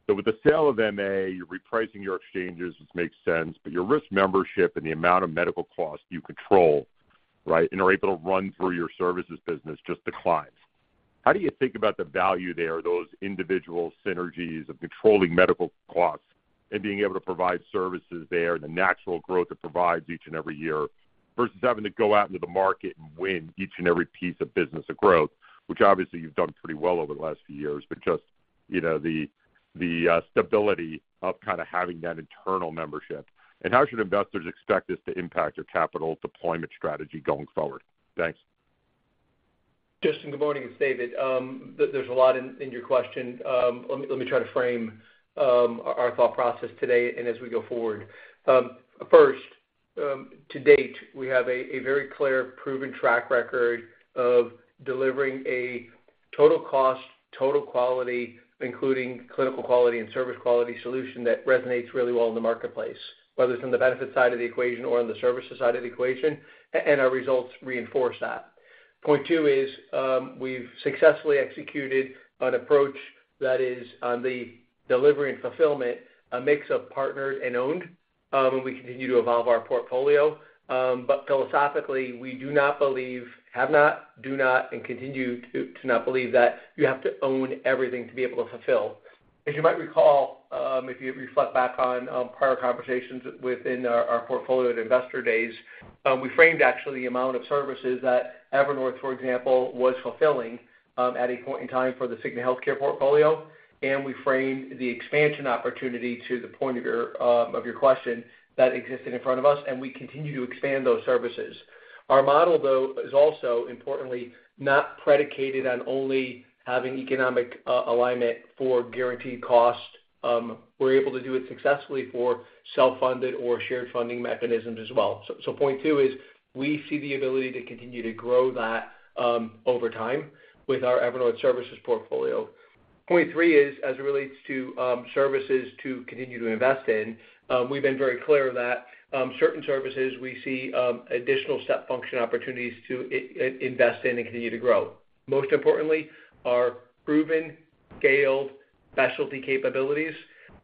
So with the sale of MA, you're repricing your exchanges, which makes sense, but your risk membership and the amount of medical costs you control, right, and are able to run through your services business just declines. How do you think about the value there, those individual synergies of controlling medical costs and being able to provide services there, the natural growth it provides each and every year, versus having to go out into the market and win each and every piece of business or growth, which obviously you've done pretty well over the last few years, but just, you know, the stability of kind of having that internal membership? And how should investors expect this to impact your capital deployment strategy going forward? Thanks. Justin, good morning, it's David. There's a lot in your question. Let me try to frame our thought process today and as we go forward. First, to date, we have a very clear, proven track record of delivering a total cost, total quality, including clinical quality and service quality solution, that resonates really well in the marketplace, whether it's on the benefit side of the equation or on the services side of the equation, and our results reinforce that. Point two is, we've successfully executed an approach that is on the delivery and fulfillment, a mix of partnered and owned, and we continue to evolve our portfolio. But philosophically, we do not believe, have not, do not, and continue to not believe that you have to own everything to be able to fulfill. As you might recall, if you reflect back on prior conversations within our portfolio at Investor Days, we framed actually the amount of services that Evernorth, for example, was fulfilling at a point in time for the Cigna Healthcare portfolio, and we framed the expansion opportunity to the point of your question that existed in front of us, and we continue to expand those services. Our model, though, is also importantly not predicated on only having economic alignment for guaranteed cost. We're able to do it successfully for self-funded or shared funding mechanisms as well. So point two is, we see the ability to continue to grow that over time with our Evernorth services portfolio. Point three is, as it relates to services to continue to invest in, we've been very clear that certain services we see additional step function opportunities to invest in and continue to grow. Most importantly, our proven scaled specialty capabilities,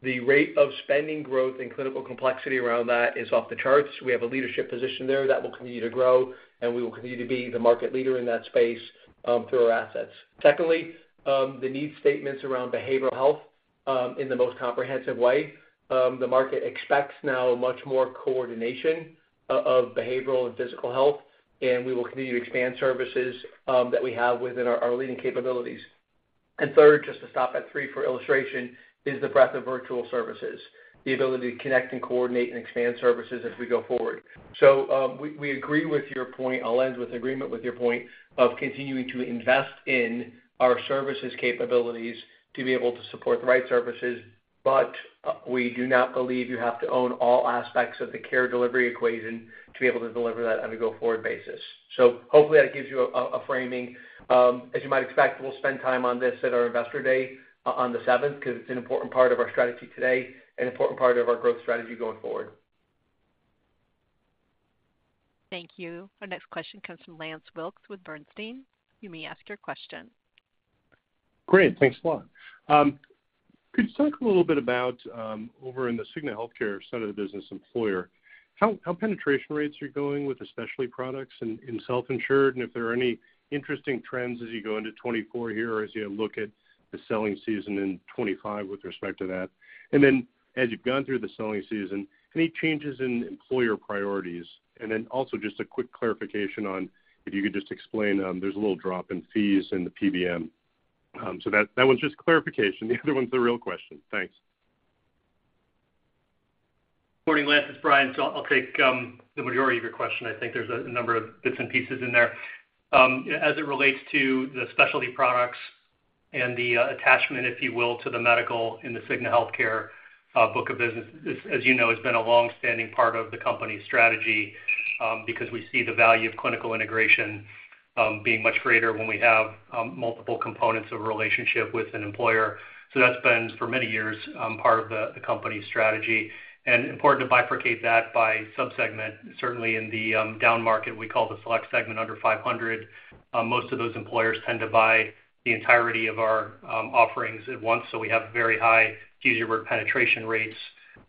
the rate of spending growth and clinical complexity around that is off the charts. We have a leadership position there that will continue to grow, and we will continue to be the market leader in that space through our assets. Secondly, the need statements around behavioral health in the most comprehensive way, the market expects now much more coordination of behavioral and physical health, and we will continue to expand services that we have within our leading capabilities. And third, just to stop at three for illustration, is the breadth of virtual services, the ability to connect and coordinate and expand services as we go forward. So, we agree with your point. I'll end with agreement with your point of continuing to invest in our services capabilities to be able to support the right services, but, we do not believe you have to own all aspects of the care delivery equation to be able to deliver that on a go-forward basis. So hopefully, that gives you a framing. As you might expect, we'll spend time on this at our Investor Day on the seventh, because it's an important part of our strategy today and an important part of our growth strategy going forward. Thank you. Our next question comes from Lance Wilkes with Bernstein. You may ask your question. Great, thanks a lot. Could you talk a little bit about, over in the Cigna Healthcare side of the business employer, how penetration rates are going with the specialty products in self-insured, and if there are any interesting trends as you go into 2024 here, or as you look at the selling season in 2025 with respect to that? And then, as you've gone through the selling season, any changes in employer priorities? And then also just a quick clarification on if you could just explain, there's a little drop in fees in the PBM. So that one's just clarification. The other one's the real question. Thanks. Morning, Lance, it's Brian. So I'll take the majority of your question. I think there's a number of bits and pieces in there. As it relates to the specialty products... and the attachment, if you will, to the medical and the Cigna Healthcare book of business, as you know, has been a long-standing part of the company's strategy, because we see the value of clinical integration being much greater when we have multiple components of a relationship with an employer. So that's been, for many years, part of the company's strategy, and important to bifurcate that by sub-segment. Certainly, in the down market, we call the select segment under 500, most of those employers tend to buy the entirety of our offerings at once, so we have very high easier penetration rates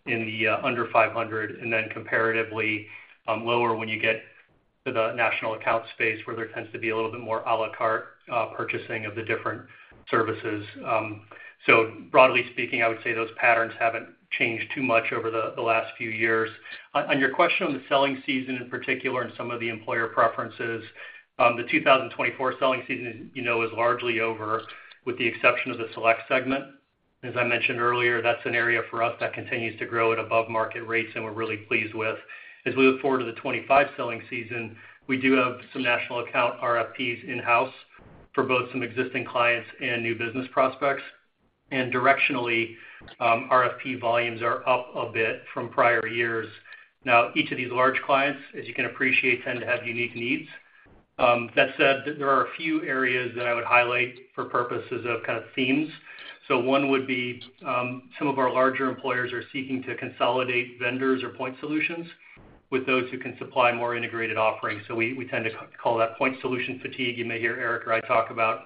in the under 500, and then comparatively lower when you get to the national account space, where there tends to be a little bit more à la carte purchasing of the different services. So broadly speaking, I would say those patterns haven't changed too much over the last few years. On your question on the selling season, in particular, and some of the employer preferences, the 2024 selling season, you know, is largely over, with the exception of the select segment. As I mentioned earlier, that's an area for us that continues to grow at above market rates, and we're really pleased with. As we look forward to the 25 selling season, we do have some national account RFPs in-house for both some existing clients and new business prospects. Directionally, RFP volumes are up a bit from prior years. Now, each of these large clients, as you can appreciate, tend to have unique needs. That said, there are a few areas that I would highlight for purposes of kind of themes. So one would be, some of our larger employers are seeking to consolidate vendors or point solutions with those who can supply more integrated offerings. So we tend to call that point solution fatigue. You may hear Eric or I talk about.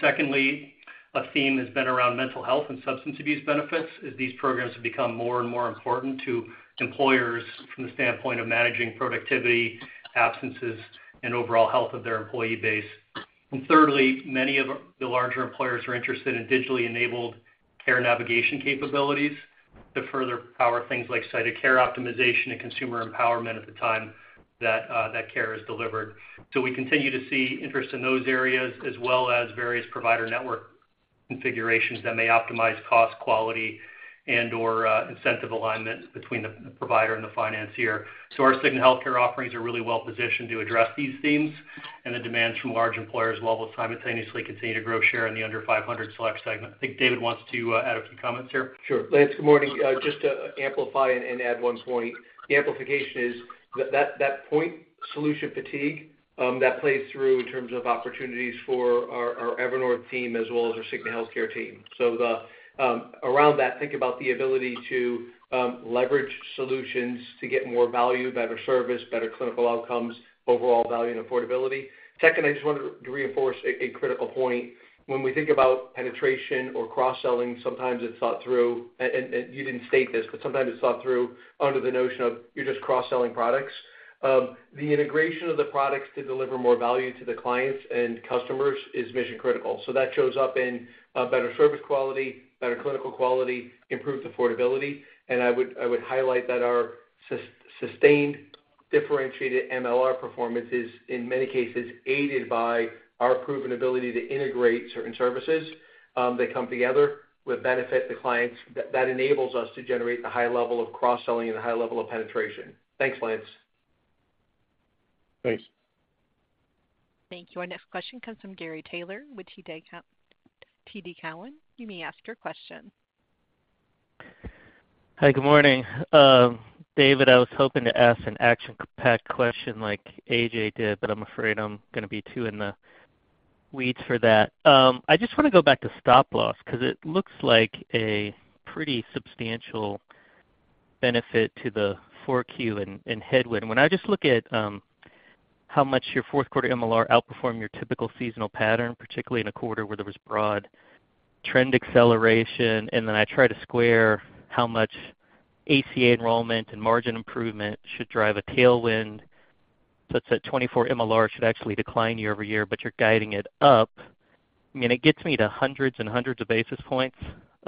Secondly, a theme has been around mental health and substance abuse benefits, as these programs have become more and more important to employers from the standpoint of managing productivity, absences, and overall health of their employee base. And thirdly, many of our larger employers are interested in digitally enabled care navigation capabilities to further power things like site of care optimization and consumer empowerment at the time that that care is delivered. So we continue to see interest in those areas, as well as various provider network configurations that may optimize cost, quality, and/or incentive alignment between the provider and the financier. So our Cigna Healthcare offerings are really well positioned to address these themes and the demands from large employers, while we'll simultaneously continue to grow share in the under 500 select segment. I think David wants to add a few comments here. Sure. Lance, good morning. Just to amplify and add one point. The amplification is that point solution fatigue that plays through in terms of opportunities for our Evernorth team as well as our Cigna Healthcare team. So around that, think about the ability to leverage solutions to get more value, better service, better clinical outcomes, overall value and affordability. Second, I just wanted to reinforce a critical point. When we think about penetration or cross-selling, sometimes it's thought through, and you didn't state this, but sometimes it's thought through under the notion of you're just cross-selling products. The integration of the products to deliver more value to the clients and customers is mission critical. So that shows up in better service quality, better clinical quality, improved affordability. I would highlight that our sustained differentiated MLR performance is, in many cases, aided by our proven ability to integrate certain services that come together with benefit to clients, that enables us to generate the high level of cross-selling and a high level of penetration. Thanks, Lance. Thanks. Thank you. Our next question comes from Gary Taylor with TD Cowen. You may ask your question. Hi, good morning. David, I was hoping to ask an action-packed question like A.J. did, but I'm afraid I'm gonna be too in the weeds for that. I just wanna go back to stop-loss, 'cause it looks like a pretty substantial benefit to the 4Q and headwind. When I just look at how much your fourth quarter MLR outperformed your typical seasonal pattern, particularly in a quarter where there was broad trend acceleration, and then I try to square how much ACA enrollment and margin improvement should drive a tailwind, that's at 2024 MLR should actually decline year-over-year, but you're guiding it up. I mean, it gets me to hundreds and hundreds of basis points, you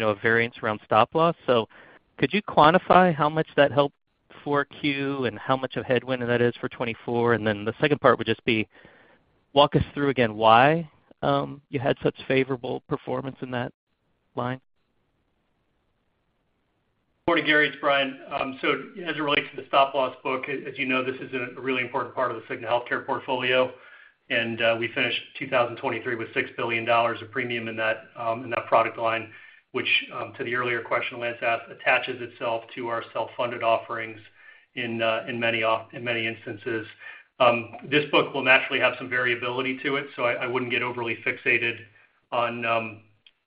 know, a variance around stop-loss. So could you quantify how much that helped 4Q and how much of a headwind that is for 2024? Then the second part would just be, walk us through again why you had such favorable performance in that line. Good morning, Gary. It's Brian. So as it relates to the stop-loss book, as you know, this is a really important part of the Cigna Healthcare portfolio. And we finished 2023 with $6 billion of premium in that product line, which, to the earlier question Lance asked, attaches itself to our self-funded offerings in many instances. This book will naturally have some variability to it, so I wouldn't get overly fixated on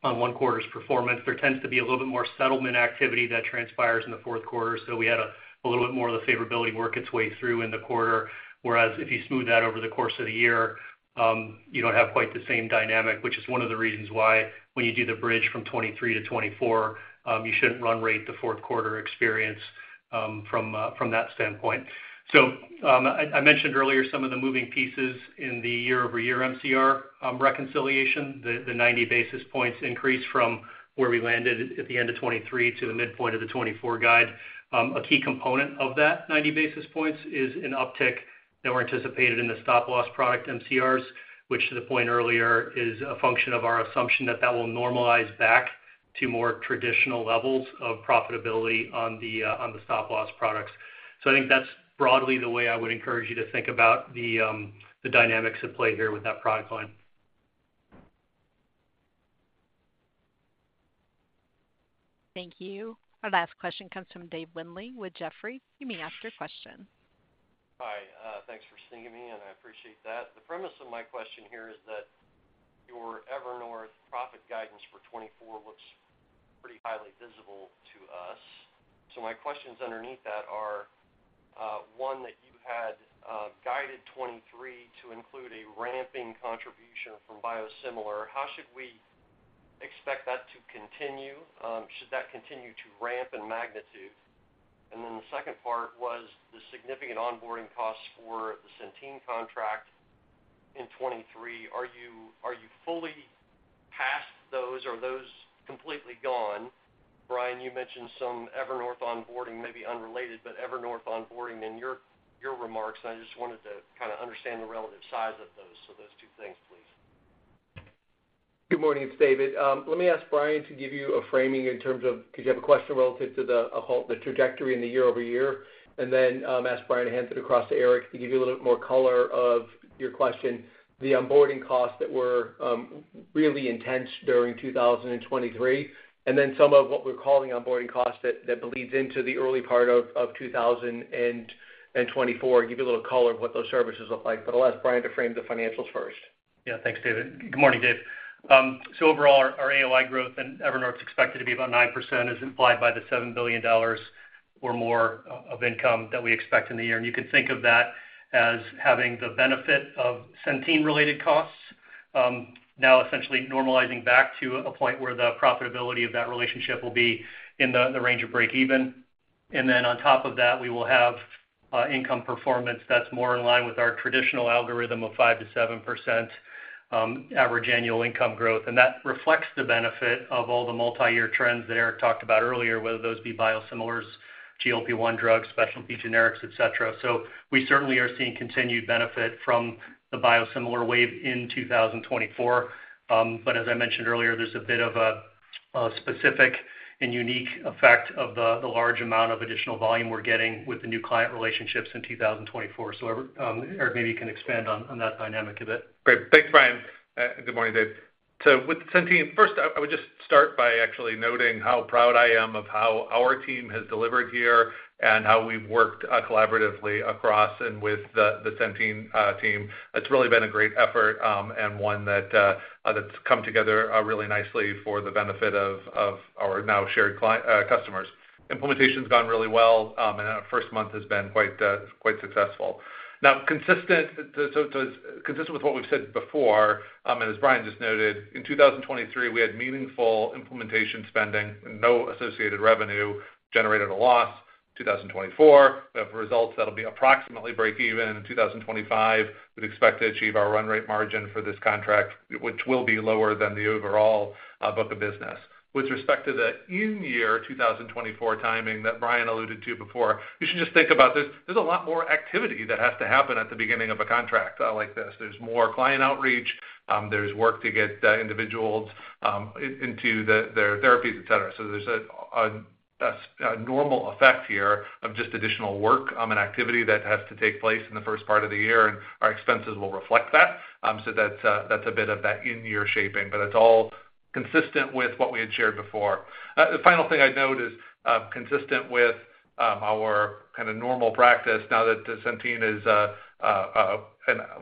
one quarter's performance. There tends to be a little bit more settlement activity that transpires in the fourth quarter, so we had a little bit more of the favorability work its way through in the quarter. Whereas if you smooth that over the course of the year, you don't have quite the same dynamic, which is one of the reasons why when you do the bridge from 2023 to 2024, you shouldn't run rate the fourth quarter experience, from that standpoint. So, I mentioned earlier some of the moving pieces in the year-over-year MCR reconciliation, the 90 basis points increase from where we landed at the end of 2023 to the midpoint of the 2024 guide. A key component of that 90 basis points is an uptick that were anticipated in the stop-loss product MCRs, which, to the point earlier, is a function of our assumption that that will normalize back.... to more traditional levels of profitability on the stop-loss products. So I think that's broadly the way I would encourage you to think about the dynamics at play here with that product line. Thank you. Our last question comes from Dave Windley with Jefferies. You may ask your question. Hi, thanks for seeing me, and I appreciate that. The premise of my question here is that your Evernorth profit guidance for 2024 looks pretty highly visible to us. So my questions underneath that are, one, that you had guided 2023 to include a ramping contribution from biosimilar. How should we expect that to continue? Should that continue to ramp in magnitude? And then the second part was the significant onboarding costs for the Centene contract in 2023. Are you fully past those? Are those completely gone? Brian, you mentioned some Evernorth onboarding, maybe unrelated, but Evernorth onboarding in your remarks. I just wanted to kind of understand the relative size of those. So those two things, please. Good morning, it's David. Let me ask Brian to give you a framing in terms of - because you have a question relative to the halt, the trajectory in the year-over-year, and then, ask Brian to hand it across to Eric, to give you a little bit more color of your question, the onboarding costs that were really intense during 2023, and then some of what we're calling onboarding costs that, that bleeds into the early part of, of 2024. Give you a little color of what those services look like. But I'll ask Brian to frame the financials first. Yeah, thanks, David. Good morning, Dave. So overall, our AOI growth and Evernorth is expected to be about 9%, as implied by the $7 billion or more of income that we expect in the year. And you can think of that as having the benefit of Centene-related costs, now essentially normalizing back to a point where the profitability of that relationship will be in the range of break even. And then on top of that, we will have income performance that's more in line with our traditional algorithm of 5%-7% average annual income growth. And that reflects the benefit of all the multi-year trends that Eric talked about earlier, whether those be biosimilars, GLP-1 drugs, specialty generics, et cetera. So we certainly are seeing continued benefit from the biosimilar wave in 2024. But as I mentioned earlier, there's a bit of a specific and unique effect of the large amount of additional volume we're getting with the new client relationships in 2024. So, Eric, maybe you can expand on that dynamic a bit. Great. Thanks, Brian. Good morning, Dave. So with Centene, first, I would just start by actually noting how proud I am of how our team has delivered here and how we've worked collaboratively across and with the Centene team. It's really been a great effort, and one that's come together really nicely for the benefit of our now shared customers. Implementation's gone really well, and our first month has been quite successful. Now, consistent with what we've said before, and as Brian just noted, in 2023, we had meaningful implementation spending, no associated revenue, generated a loss. 2024, we have results that'll be approximately break even. In 2025, we'd expect to achieve our run rate margin for this contract, which will be lower than the overall book of business. With respect to the in-year 2024 timing that Brian alluded to before, you should just think about this. There's a lot more activity that has to happen at the beginning of a contract like this. There's more client outreach, there's work to get individuals into their therapies, et cetera. So there's a normal effect here of just additional work and activity that has to take place in the first part of the year, and our expenses will reflect that. So that's a bit of that in-year shaping, but it's all consistent with what we had shared before. The final thing I'd note is consistent with our kind of normal practice now that Centene is a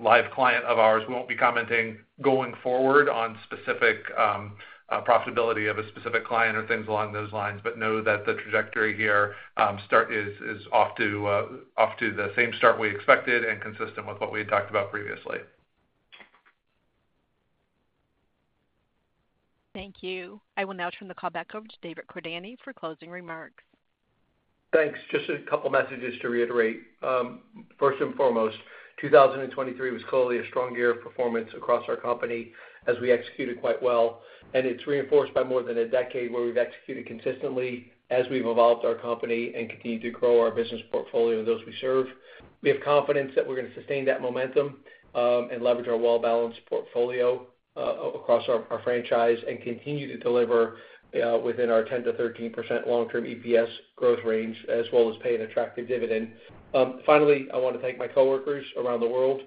live client of ours. We won't be commenting going forward on specific profitability of a specific client or things along those lines, but know that the trajectory here is off to the same start we expected and consistent with what we had talked about previously. Thank you. I will now turn the call back over to David Cordani for closing remarks. Thanks. Just a couple messages to reiterate. First and foremost, 2023 was clearly a strong year of performance across our company as we executed quite well, and it's reinforced by more than a decade where we've executed consistently as we've evolved our company and continued to grow our business portfolio and those we serve. We have confidence that we're going to sustain that momentum, and leverage our well-balanced portfolio, across our, our franchise and continue to deliver, within our 10%-13% long-term EPS growth range, as well as pay an attractive dividend. Finally, I want to thank my coworkers around the world,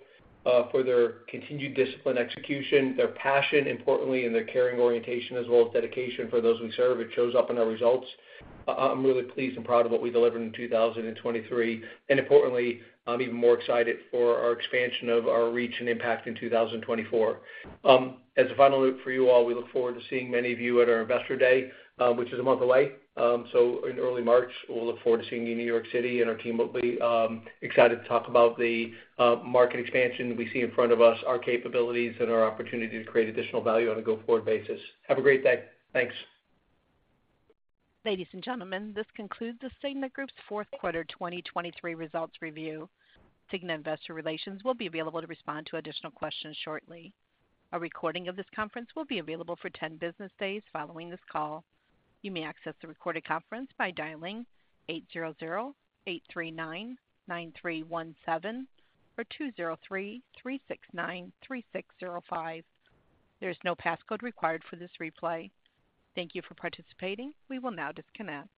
for their continued disciplined execution, their passion, importantly, and their caring orientation, as well as dedication for those we serve. It shows up in our results. I'm really pleased and proud of what we delivered in 2023, and importantly, I'm even more excited for our expansion of our reach and impact in 2024. As a final note for you all, we look forward to seeing many of you at our Investor Day, which is a month away. In early March, we'll look forward to seeing you in New York City, and our team will be excited to talk about the market expansion we see in front of us, our capabilities, and our opportunity to create additional value on a go-forward basis. Have a great day. Thanks. Ladies and gentlemen, this concludes The Cigna Group's fourth quarter 2023 results review. The Cigna Group Investor Relations will be available to respond to additional questions shortly. A recording of this conference will be available for 10 business days following this call. You may access the recorded conference by dialing 800-839-9317 or 203-369-3605. There's no passcode required for this replay. Thank you for participating. We will now disconnect.